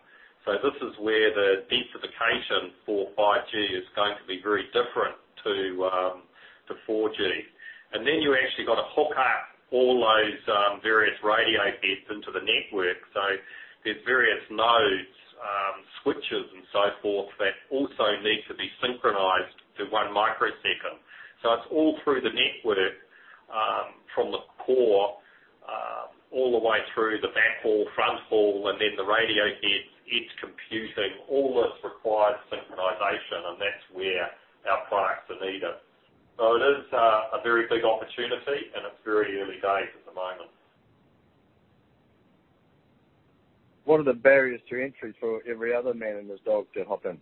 This is where the densification for 5G is going to be very different to 4G. Then you actually gotta hook up all those various radio heads into the network. There's various nodes, switches and so forth, that also need to be synchronized to one microsecond. It's all through the network, from the core, all the way through the backhaul, front haul, and then the radio heads. It's computing. All this requires synchronization, and that's where our products are needed. It is a very big opportunity, and it's very early days at the moment. What are the barriers to entry for every other man and his dog to hop in?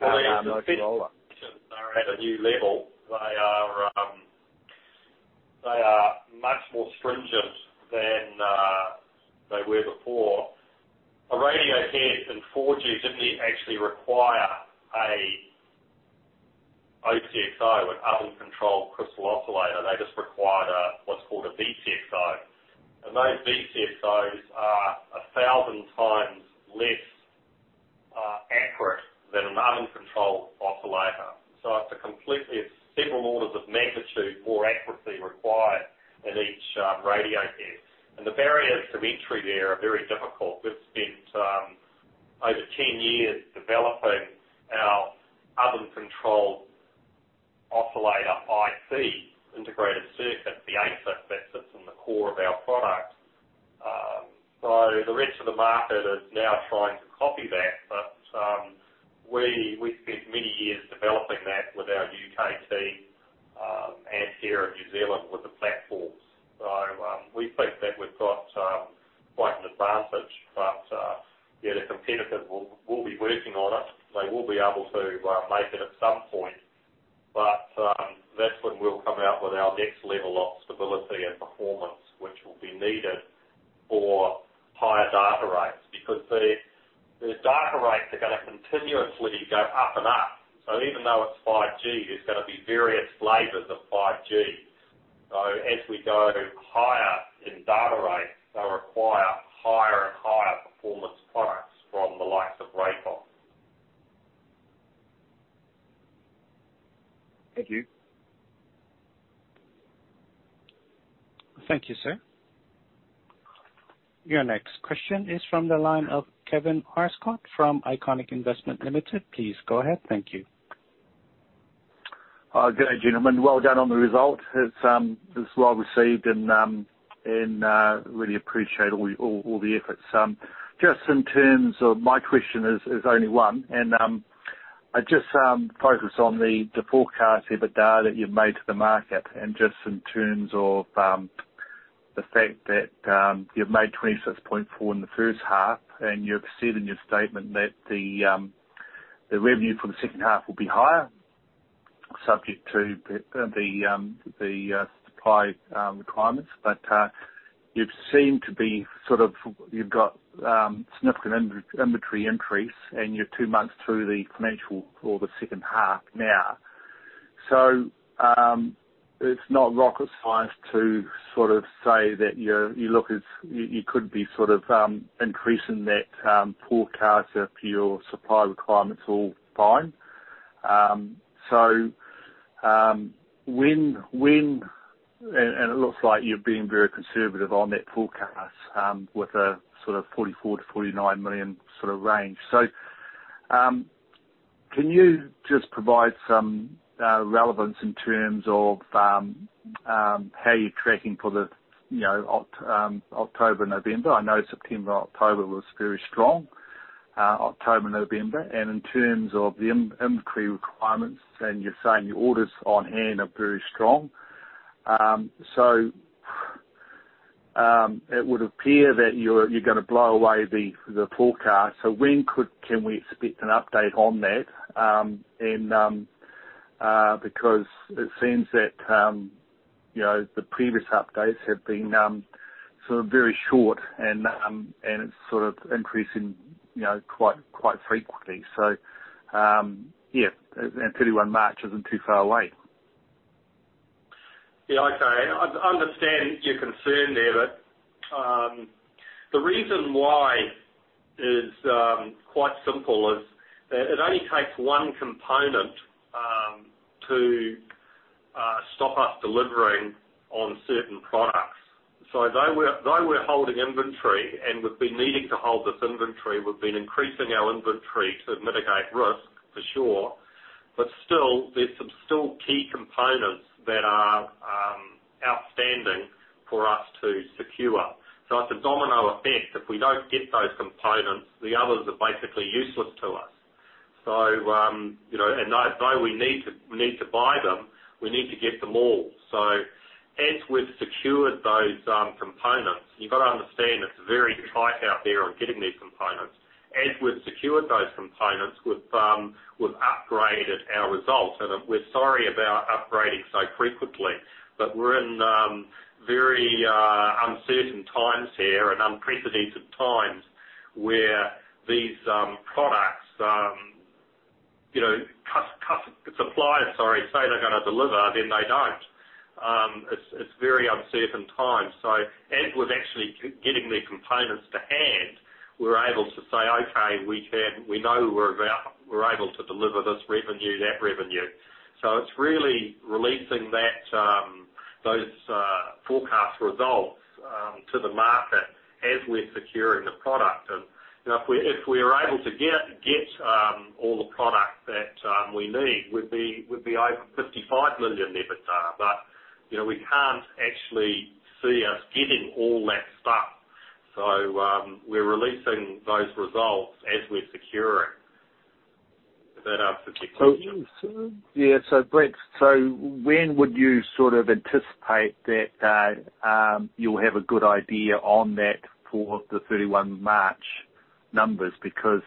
Well, the specifications. Nokia. They are at a new level. They are much more stringent than they were before. A radio head in 4G didn't actually require a OCXO, an oven-controlled crystal oscillator. They just required what's called a VCXO. Those VCXOs are 1,000 times less accurate than an oven-controlled oscillator. Several orders of magnitude more accuracy required in each radio head. The barriers to entry there are very difficult. We've spent over 10 years developing our oven-controlled oscillator IC, integrated circuit, the ASIC that sits in the core of our product. The rest of the market is now trying to copy that, but we spent many years developing that with our U.K. team and here in New Zealand with the platforms. We think that we've got quite an advantage. Yeah, the competitors will be working on it. They will be able to make it at some point. That's when we'll come out with our next level of stability and performance, which will be needed for higher data rates. Because the data rates are gonna continuously go up and up. Even though it's 5G, there's gonna be various flavors of 5G. As we go higher in data rates, they'll require higher and higher performance products from the likes of Rakon. Thank you. Thank you, sir. Your next question is from the line of Kevin Haskett from Iconic Investment Limited. Please go ahead. Thank you. Good day, gentlemen. Well done on the result. It's well received and really appreciate all the efforts. Just in terms of my question is only one, and I just focus on the forecast EBITDA that you've made to the market. Just in terms of the fact that you've made 26.4 in the first half, and you've said in your statement that the revenue for the second half will be higher, subject to the supply requirements. But you've got significant inventory increase, and you're two months through the financial or the second half now. It's not rocket science to sort of say that you could be sort of increasing that forecast if your supply requirements are all fine. It looks like you're being very conservative on that forecast with a sort of 44 million-49 million sort of range. Can you just provide some color in terms of how you're tracking for the, you know, October, November? I know September, October was very strong, October, November. In terms of the inventory requirements, then you're saying your orders on hand are very strong. It would appear that you're gonna blow away the forecast. When can we expect an update on that? Because it seems that, you know, the previous updates have been sort of very short and it's sort of increasing, you know, quite frequently. Yeah, 31 March isn't too far away. Yeah, okay. I understand your concern there, but the reason why is quite simple: it only takes one component to stop us delivering on certain products. Though we're holding inventory, and we've been needing to hold this inventory, we've been increasing our inventory to mitigate risk for sure. Still, there are still some key components that are outstanding for us to secure. It's a domino effect. If we don't get those components, the others are basically useless to us. You know, though we need to buy them, we need to get them all. As we've secured those components, you've got to understand it's very tight out there on getting these components. As we've secured those components, we've upgraded our results. We're sorry about upgrading so frequently, but we're in very uncertain times here and unprecedented times where these products, you know, suppliers, sorry, say they're gonna deliver, then they don't. It's very uncertain times. As we're actually getting the components to hand, we're able to say, "Okay, we can. We know we're able to deliver this revenue, that revenue." It's really releasing those forecast results to the market as we're securing the product. You know, if we were able to get all the product that we need, we'd be over 55 million EBITDA. You know, we can't actually see us getting all that stuff. We're releasing those results as we secure it. Is that answer clear to you? Brent, when would you sort of anticipate that you'll have a good idea on that for the 31 March numbers? Because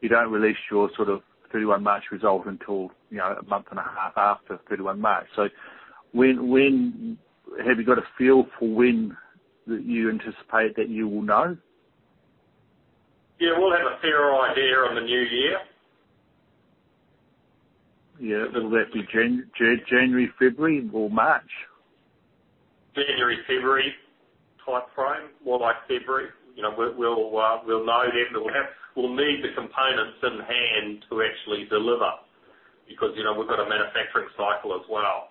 you don't release your sort of 31 March result until, you know, a month and a half after 31 March. When have you got a feel for when you anticipate that you will know? Yeah. We'll have a fair idea on the new year. Yeah. That'll have to be January, February or March. January, February timeframe, more like February. You know, we'll know then. We'll need the components in hand to actually deliver because, you know, we've got a manufacturing cycle as well.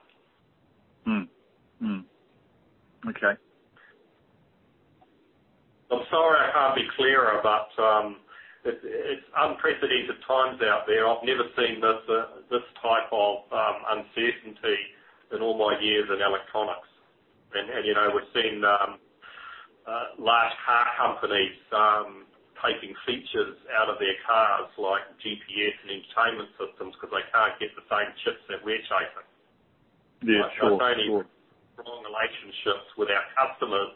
Okay. I'm sorry I can't be clearer, but it's unprecedented times out there. I've never seen this type of uncertainty in all my years in electronics. You know, we're seeing large car companies taking features out of their cars like GPS and entertainment systems because they can't get the same chips that we're chasing. Yeah, sure. It's only strong relationships with our customers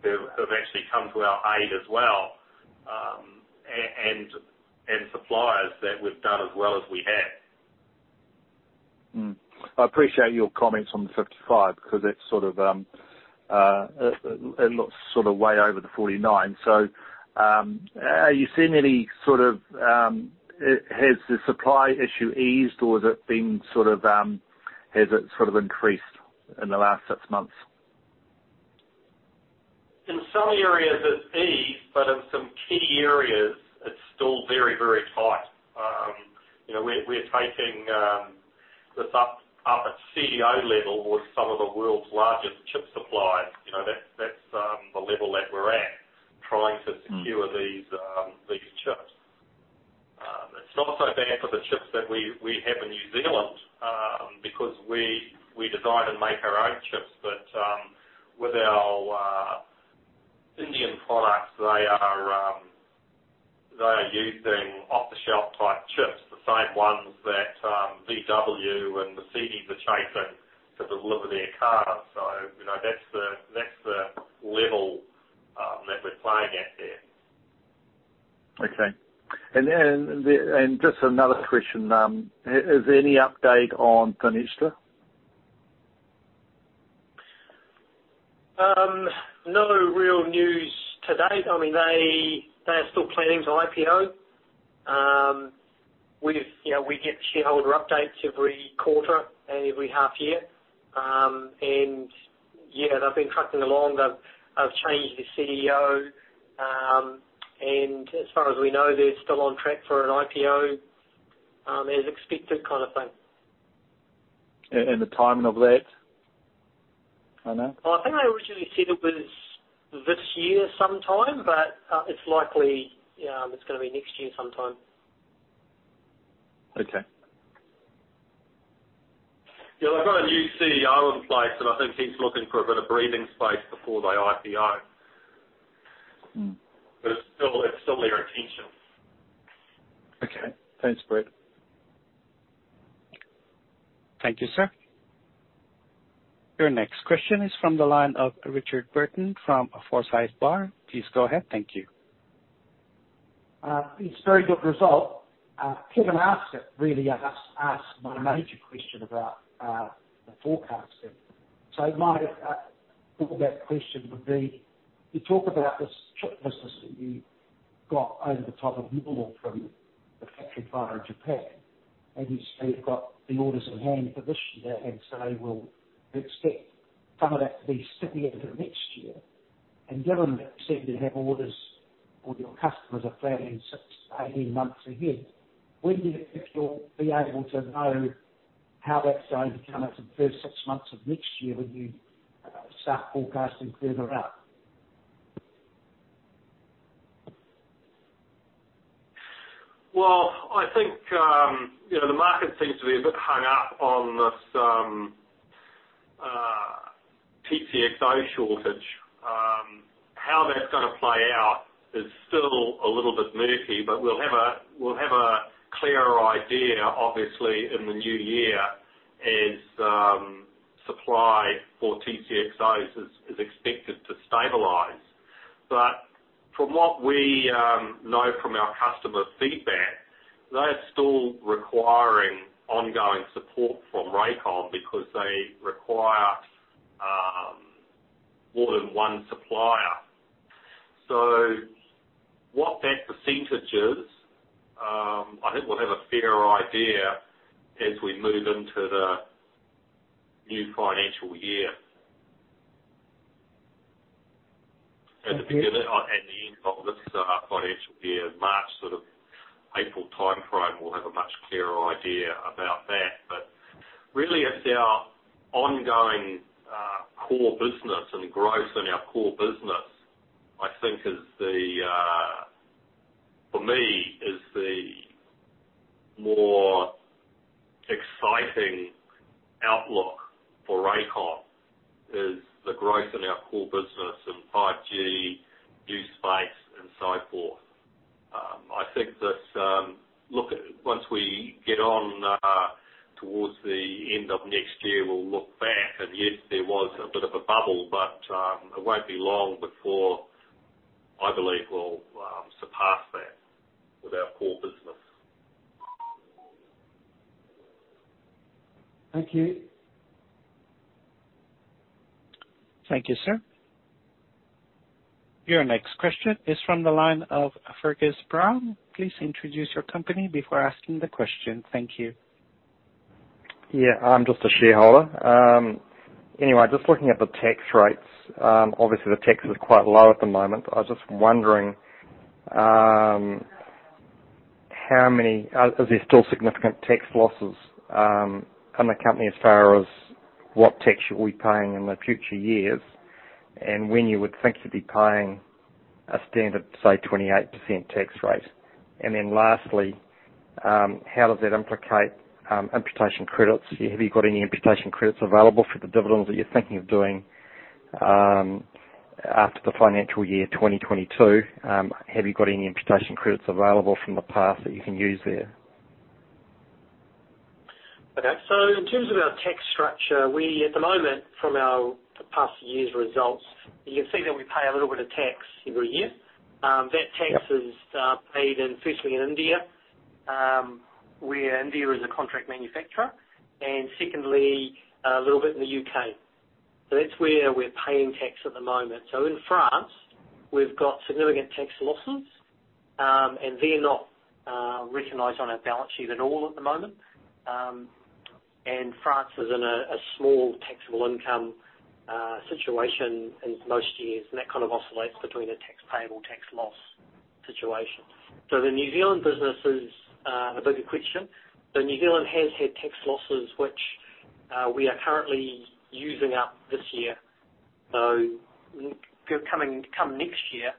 who've actually come to our aid as well, and suppliers that we've done as well as we have. I appreciate your comments on the 55 because it looks sort of way over the 49. Has the supply issue eased or has it sort of increased in the last 6 months? In some areas it's eased, but in some key areas it's still very, very tight. You know, we're taking this up at CEO level with some of the world's largest chip suppliers. You know, that's the level that we're at, trying to. Hmm Secure these chips. It's not so bad for the chips that we have in New Zealand, because we design and make our own chips. With our Indian products, they are using off-the-shelf type chips, the same ones that VW and Mercedes are chasing to deliver their cars. You know, that's the level that we're playing at there. Okay. Just another question, is there any update on Thinxtra? No real news to date. I mean, they are still planning to IPO. You know, we get shareholder updates every quarter and every half year. Yeah, they've been trucking along. They've changed the CEO. As far as we know, they're still on track for an IPO, as expected kind of thing. The timing of that? I know. Well, I think they originally said it was this year sometime, but it's likely, it's gonna be next year sometime. Okay. Yeah. They've got a new CEO in place, and I think he's looking for a bit of breathing space before they IPO. Mm. It's still their intention. Okay. Thanks, Brent. Thank you, sir. Your next question is from the line of Richard Burton from Forsyth Barr. Please go ahead. Thank you. It's a very good result. Kevin Haskett really asked my major question about the forecasting. My follow-up to that question would be, you talk about this chip business that you got on top of AKM from the factory fire in Japan, and you say you've got the orders in hand for this year, and so they will expect some of that to be slipping into next year. Given that you said you have orders or your customers are planning 6-18 months ahead, when do you think you'll be able to know how that's going to come into the first 6 months of next year when you start forecasting further out? Well, I think you know, the market seems to be a bit hung up on this TCXO shortage. How that's gonna play out is still a little bit murky, but we'll have a clearer idea obviously in the new year as supply for TCXOs is expected to stabilize. But from what we know from our customer feedback, they're still requiring ongoing support from Rakon because they require more than one supplier. So what that percentage is, I think we'll have a fairer idea as we move into the new financial year. At the beginning or at the end of this financial year, March sort of April timeframe, we'll have a much clearer idea about that. Really it's our ongoing core business and growth in our core business. I think is the for me is the more exciting outlook for Rakon, is the growth in our core business and 5G, new space and so forth. I think this look once we get on towards the end of next year, we'll look back and yes, there was a bit of a bubble, but it won't be long before I believe we'll surpass that with our core business. Thank you. Thank you, sir. Your next question is from the line of Fergus Brown. Please introduce your company before asking the question. Thank you. Yeah. I'm just a shareholder. Anyway, just looking at the tax rates, obviously the tax is quite low at the moment. I was just wondering, is there still significant tax losses in the company as far as what tax you'll be paying in the future years and when you would think you'd be paying a standard, say, 28% tax rate? Lastly, how does that implicate imputation credits? Have you got any imputation credits available for the dividends that you're thinking of doing after the financial year 2022? Have you got any imputation credits available from the past that you can use there? Okay. In terms of our tax structure, we at the moment from our past years' results, you can see that we pay a little bit of tax every year. That tax is paid in firstly in India, where India is a contract manufacturer, and secondly, a little bit in the U.K. That's where we're paying tax at the moment. In France, we've got significant tax losses, and they're not recognized on our balance sheet at all at the moment. France is in a small taxable income situation in most years, and that kind of oscillates between a tax payable, tax loss situation. The New Zealand business is the bigger question. New Zealand has had tax losses, which we are currently using up this year. Coming next year,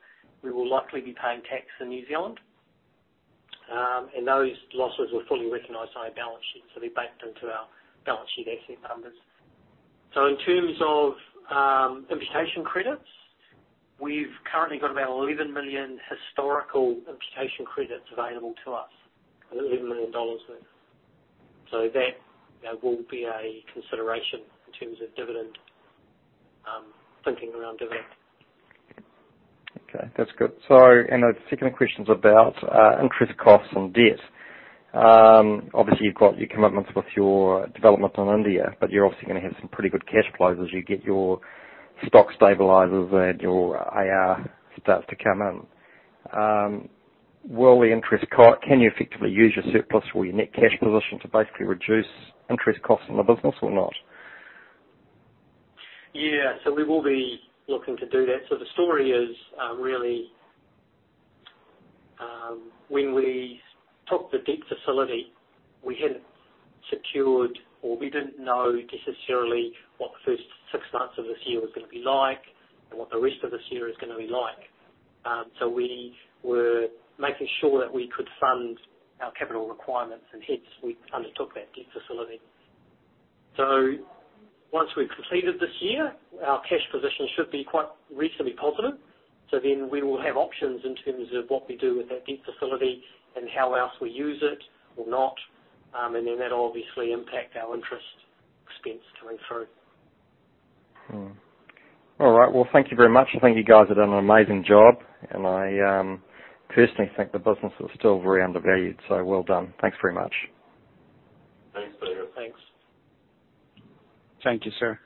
we will likely be paying tax in New Zealand. Those losses are fully recognized on our balance sheet, so they're baked into our balance sheet asset numbers. In terms of imputation credits, we've currently got about 11 million historical imputation credits available to us, 11 million dollars worth. That, you know, will be a consideration in terms of dividend thinking around dividend. Okay. That's good. The second question's about interest costs and debt. Obviously you've got your commitments with your development in India, but you're obviously gonna have some pretty good cash flows as you get your stock stabilizers and your IR starts to come in. Can you effectively use your surplus or your net cash position to basically reduce interest costs in the business or not? Yeah. We will be looking to do that. The story is, we really took the debt facility we hadn't secured or we didn't know necessarily what the first six months of this year was gonna be like and what the rest of this year is gonna be like. We were making sure that we could fund our capital requirements and hence we undertook that debt facility. Once we've completed this year, our cash position should be quite reasonably positive. We will have options in terms of what we do with that debt facility and how else we use it or not. That'll obviously impact our interest expense going through. All right, well, thank you very much. I think you guys have done an amazing job, and I personally think the business is still very undervalued, so well done. Thanks very much. Thanks, Fergus. Thanks. Thank you, sir.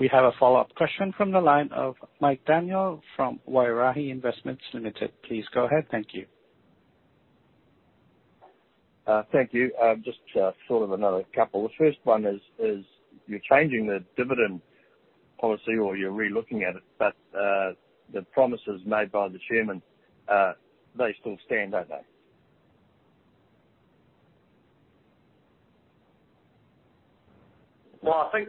We have a follow-up question from the line of Michael Daniel from Wairahi Investments Limited. Please go ahead. Thank you. Thank you. Just sort of another couple. The first one is you're changing the dividend policy or you're relooking at it, but the promises made by the chairman, they still stand, don't they? I think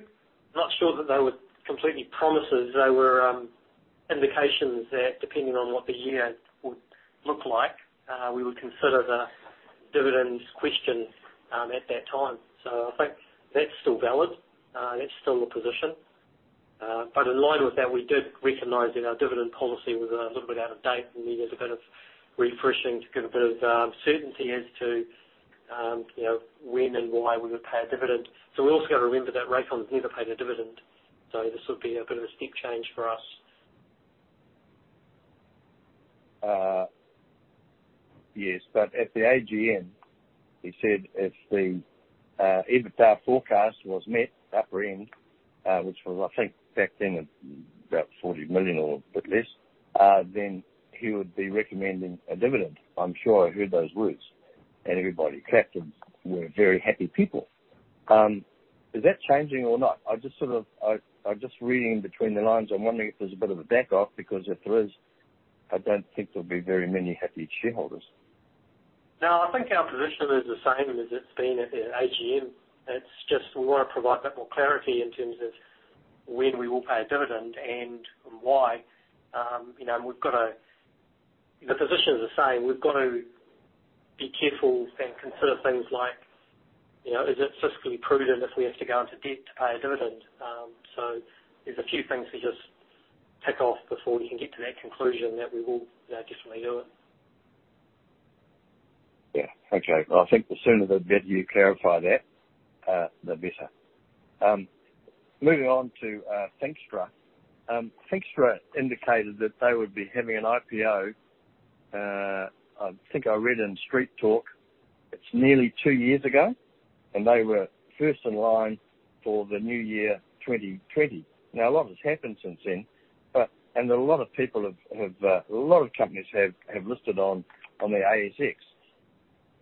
I'm not sure that they were completely promises. They were indications that depending on what the year would look like, we would consider the dividends question at that time. I think that's still valid, that's still the position. In line with that, we did recognize that our dividend policy was a little bit out of date, and we did a bit of refreshing to give a bit of certainty as to you know, when and why we would pay a dividend. We've also got to remember that Rakon's never paid a dividend, so this would be a bit of a steep change for us. Yes, at the AGM, he said if the EBITDA forecast was met, upper end, which was, I think back then, about 40 million or a bit less, then he would be recommending a dividend. I'm sure I heard those words, and everybody clapped and were very happy people. Is that changing or not? I'm just sort of reading between the lines. I'm wondering if there's a bit of a back off, because if there is, I don't think there'll be very many happy shareholders. No, I think our position is the same as it's been at the AGM. It's just we wanna provide a bit more clarity in terms of when we will pay a dividend and why. You know, the position is the same. We've got to be careful and consider things like, you know, is it fiscally prudent if we have to go into debt to pay a dividend? So there's a few things to just tick off before we can get to that conclusion that we will definitely do it. Yeah. Okay. I think the sooner the better you clarify that, the better. Moving on to Thinxtra. Thinxtra indicated that they would be having an IPO. I think I read in Street Talk, it's nearly two years ago, and they were first in line for the new year, 2020. Now, a lot has happened since then, but a lot of companies have listed on the ASX.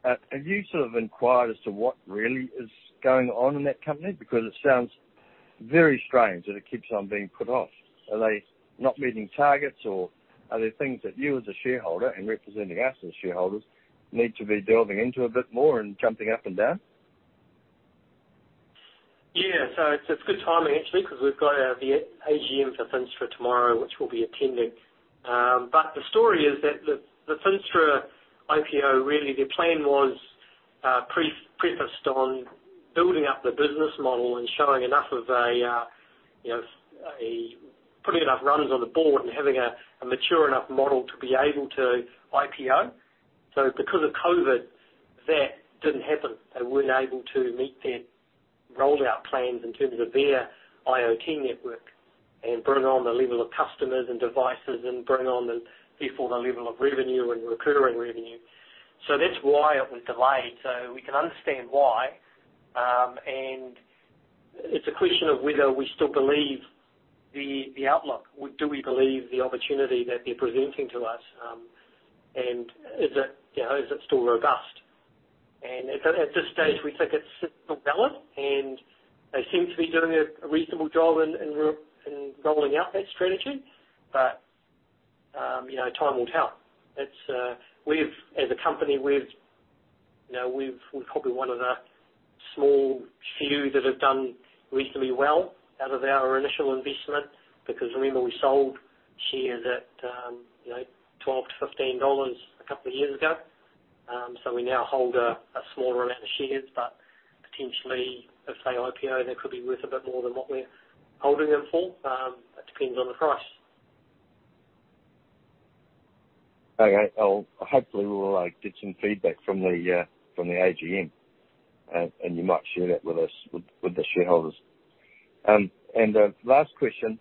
Have you sort of inquired as to what really is going on in that company? Because it sounds very strange that it keeps on being put off. Are they not meeting targets, or are there things that you as a shareholder and representing us as shareholders need to be delving into a bit more and jumping up and down? Yeah. It's good timing actually, 'cause we've got the AGM for Thinxtra tomorrow, which we'll be attending. But the story is that the Thinxtra IPO, really their plan was prefaced on building up the business model and showing enough of a, you know, putting enough runners on the board and having a mature enough model to be able to IPO. Because of COVID, that didn't happen. They weren't able to meet their rollout plans in terms of their IoT network and bring on the level of customers and devices and bring on, therefore, the level of revenue and recurring revenue. That's why it was delayed. We can understand why, and it's a question of whether we still believe the outlook. Do we believe the opportunity that they're presenting to us? Is it, you know, is it still robust? At this stage, we think it's still valid, and they seem to be doing a reasonable job in rolling out that strategy. You know, time will tell. It's, as a company, we're probably one of the small few that have done reasonably well out of our initial investment because remember we sold shares at, you know, 12-15 dollars a couple of years ago. We now hold a smaller amount of shares, but potentially if they IPO, they could be worth a bit more than what we're holding them for. It depends on the price. Okay. I'll hopefully we'll get some feedback from the AGM and you might share that with us with the shareholders. Last question.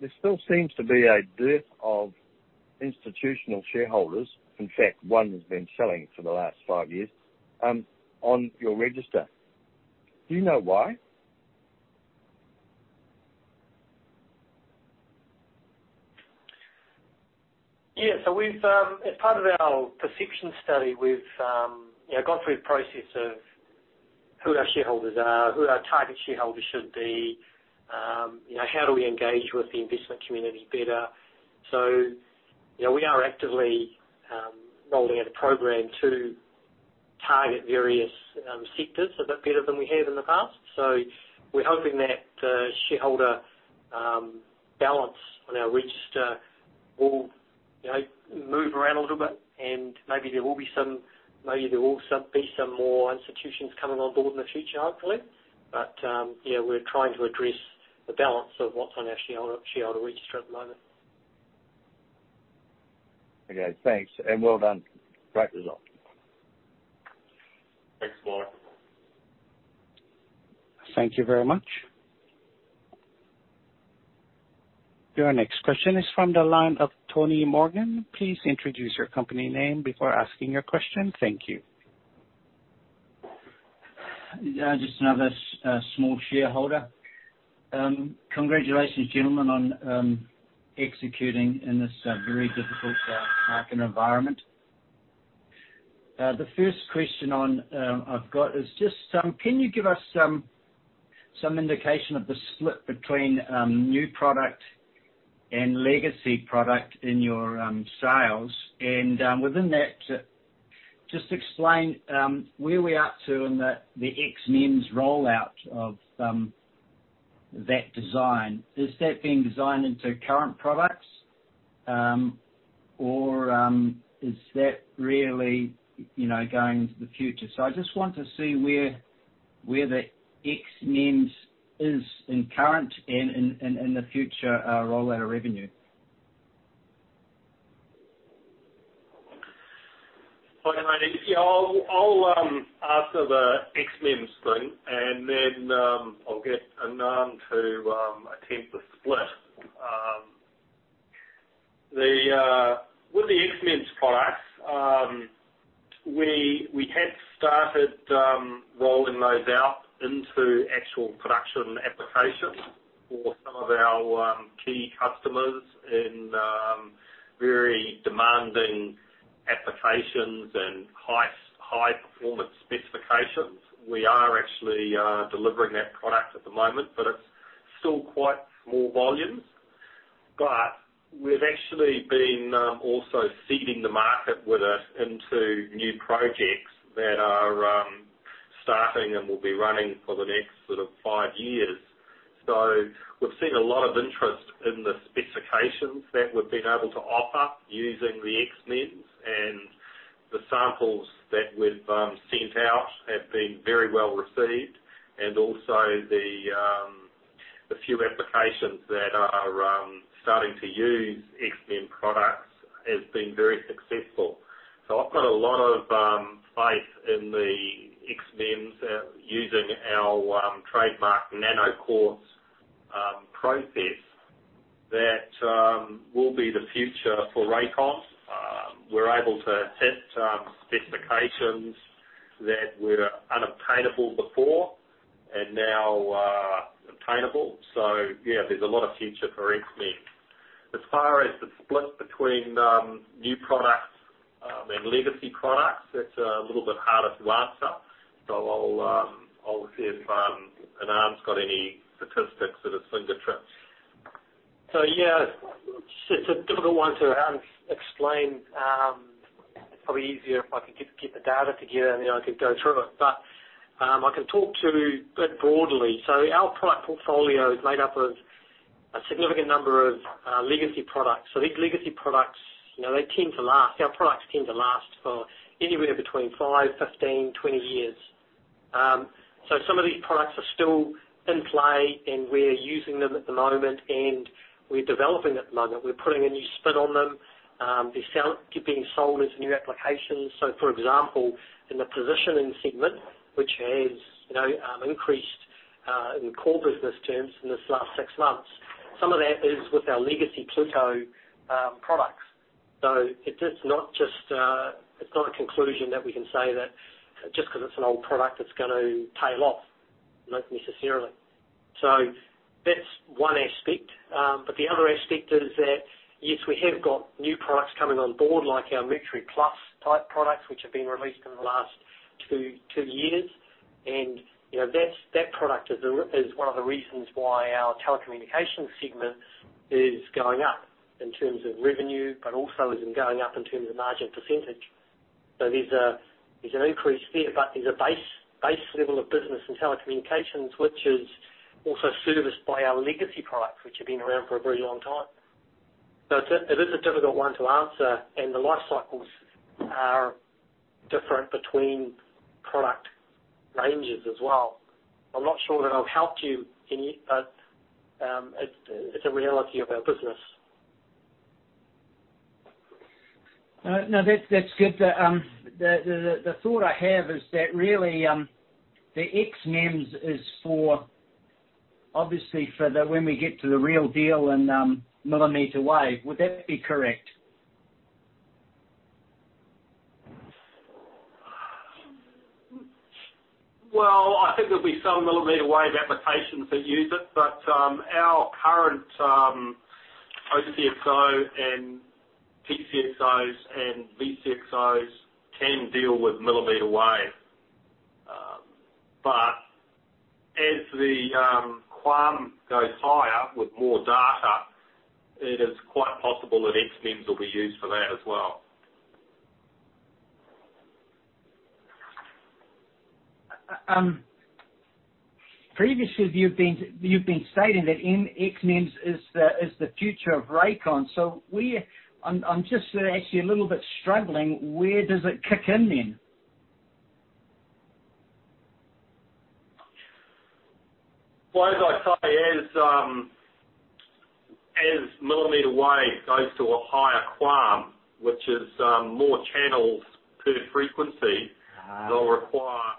There still seems to be a dearth of institutional shareholders. In fact, one has been selling for the last five years on your register. Do you know why? We've as part of our perception study, we've you know, gone through the process of who our shareholders are, who our target shareholders should be, you know, how do we engage with the investment community better? You know, we are actively rolling out a program to target various sectors a bit better than we have in the past. We're hoping that shareholder balance on our register will you know, move around a little bit, and maybe there will be some more institutions coming on board in the future, hopefully. We're trying to address the balance of what's on our shareholder register at the moment. Okay. Thanks, and well done. Great result. Thanks, Mike. Thank you very much. Your next question is from the line of Tony Morgan. Please introduce your company name before asking your question. Thank you. Yeah, just another small shareholder. Congratulations, gentlemen, on executing in this very difficult market environment. The first question I've got is just can you give us some indication of the split between new product and legacy product in your sales? And within that, just explain where we are up to in the XMEMS rollout of that design. Is that being designed into current products or is that really, you know, going into the future? I just want to see where the XMEMS is in current and in the future rollout of revenue. I'll answer the XMEMS thing, and then I'll get Anand to attempt the split. With the XMEMS products, we had started rolling those out into actual production applications for some of our key customers in very demanding applications and high-performance specifications. We are actually delivering that product at the moment, but it's still quite small volumes. We've actually been also seeding the market with it into new projects that are starting and will be running for the next sort of five years. We've seen a lot of interest in the specifications that we've been able to offer using the XMEMS, and the samples that we've sent out have been very well received. The few applications that are starting to use XMEMS products has been very successful. I've got a lot of faith in the XMEMS using our trademark NanoQuartz process that will be the future for Rakon. We're able to test specifications that were unobtainable before and now are obtainable. Yeah, there's a lot of future for XMEMS. As far as the split between new products and legacy products, that's a little bit harder to answer. I'll see if Anand's got any statistics that are fingertip. Yeah, it's a difficult one to explain. It's probably easier if I could get the data together, and then I could go through it. I can talk to it broadly. Our product portfolio is made up of a significant number of legacy products. These legacy products, you know, they tend to last. Our products tend to last for anywhere between 5, 15, 20 years. Some of these products are still in play, and we're using them at the moment, and we're developing at the moment. We're putting a new spin on them. They're still being sold as new applications. For example, in the positioning segment, which has, you know, increased in core business terms in this last six months, some of that is with our legacy Pluto products. It is not just, it's not a conclusion that we can say that just 'cause it's an old product, it's going to tail off, not necessarily. That's one aspect. The other aspect is that, yes, we have got new products coming on board, like our Mercury+ type products, which have been released in the last two years. You know, that product is one of the reasons why our telecommunications segment is going up in terms of revenue, but also is going up in terms of margin percentage. There's an increase there, but there's a base level of business in telecommunications, which is also serviced by our legacy products, which have been around for a very long time. It is a difficult one to answer, and the life cycles are different between product ranges as well. I'm not sure that I've helped you any, but it's a reality of our business. No, that's good. The thought I have is that really, the XMEMS is for obviously for the, when we get to the real deal and millimeter wave. Would that be correct? Well, I think there'll be some millimeter wave applications that use it, but our current OCXO and TCXOs and VCXOs can deal with millimeter wave. As the QAM goes higher with more data, it is quite possible that XMEMS will be used for that as well. Previously you've been stating that XMEMS is the future of Rakon. I'm just actually a little bit struggling. Where does it kick in then? Well, as I say, millimeter wave goes to a higher QAM, which is more channels per frequency. Ah. They'll require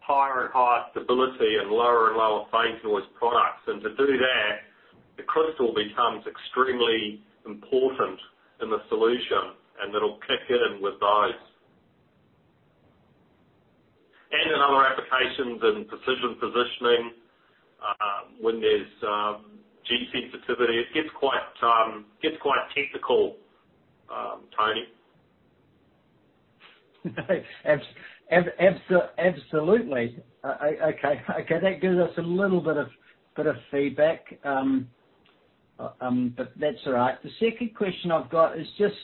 higher and higher stability and lower and lower phase noise products. To do that, the crystal becomes extremely important in the solution. It'll kick in with those. In other applications in precision positioning, when there's G sensitivity, it gets quite technical, Tony. Absolutely. Okay. Okay, that gives us a little bit of feedback. That's all right. The second question I've got is just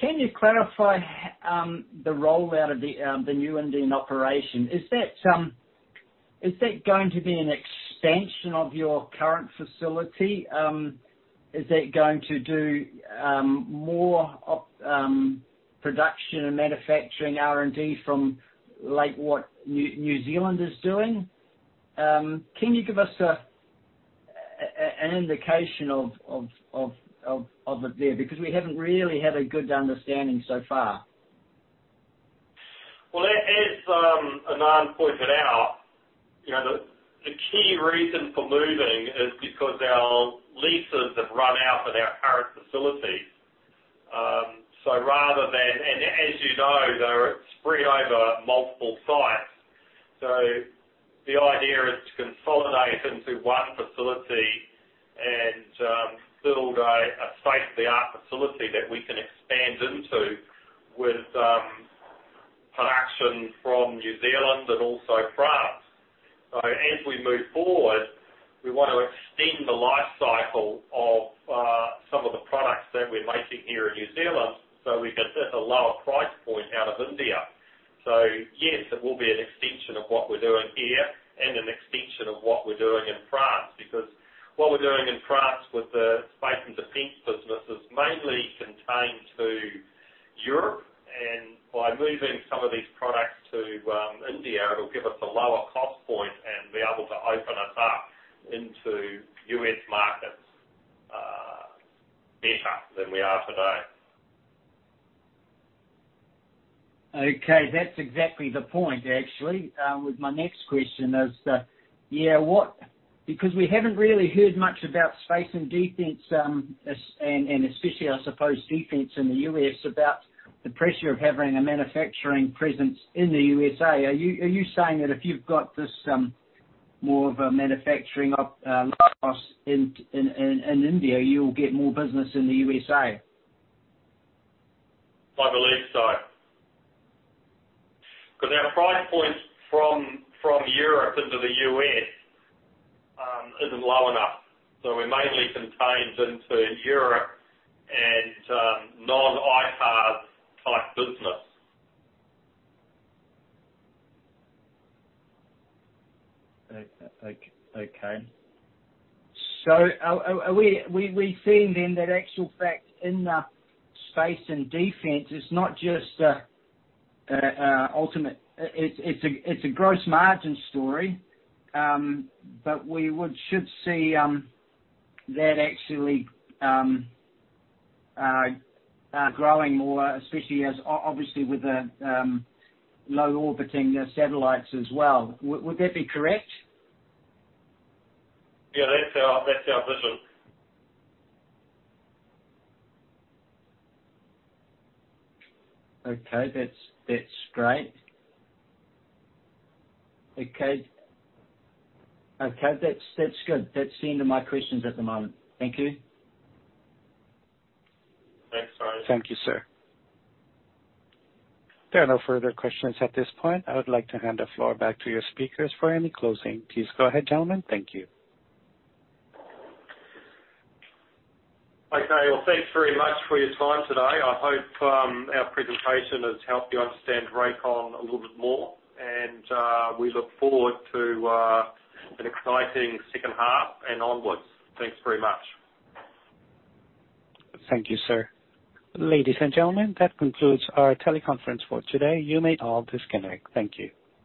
can you clarify the rollout of the new Indian operation? Is that going to be an expansion of your current facility? Is that going to do more of production and manufacturing R&D from like what New Zealand is doing? Can you give us an indication of it there? Because we haven't really had a good understanding so far. Well, Anand pointed out, you know, the key reason for moving is because our leases have run out at our current facilities. As you know, they're spread over multiple sites. The idea is to consolidate into one facility and build a state-of-the-art facility that we can expand into with production from New Zealand and also France. As we move forward, we want to extend the life cycle of some of the products that we're making here in New Zealand, so we can sit a lower price point out of India. Yes, it will be an extension of what we're doing here and an extension of what we're doing in France, because what we're doing in France with the space and defense business is mainly contained to Europe. By moving some of these products to India, it'll give us a lower cost point and be able to open us up into U.S. markets better than we are today. Okay. That's exactly the point, actually, with my next question is, yeah, because we haven't really heard much about space and defense, and especially, I suppose, defense in the U.S., about the pressure of having a manufacturing presence in the U.S.A. Are you saying that if you've got this, more of a manufacturing, low cost in India, you'll get more business in the U.S.A.? I believe so. Because our price point from Europe into the U.S. isn't low enough, so we're mainly contained into Europe and non-ITAR type business. Are we seeing then that in actual fact in the space and defense, it's not just a ultimate. It's a gross margin story, but we should see that actually growing more, especially as obviously with the low orbiting satellites as well. Would that be correct? Yeah. That's our vision. Okay. That's great. Okay. Okay. That's good. That's the end of my questions at the moment. Thank you. Thanks, Tony. Thank you, sir. There are no further questions at this point. I would like to hand the floor back to your speakers for any closing please. Go ahead, gentlemen. Thank you. Okay. Well, thanks very much for your time today. I hope our presentation has helped you understand Rakon a little bit more. We look forward to an exciting second half and onwards. Thanks very much. Thank you, sir. Ladies and gentlemen, that concludes our teleconference for today. You may all disconnect. Thank you.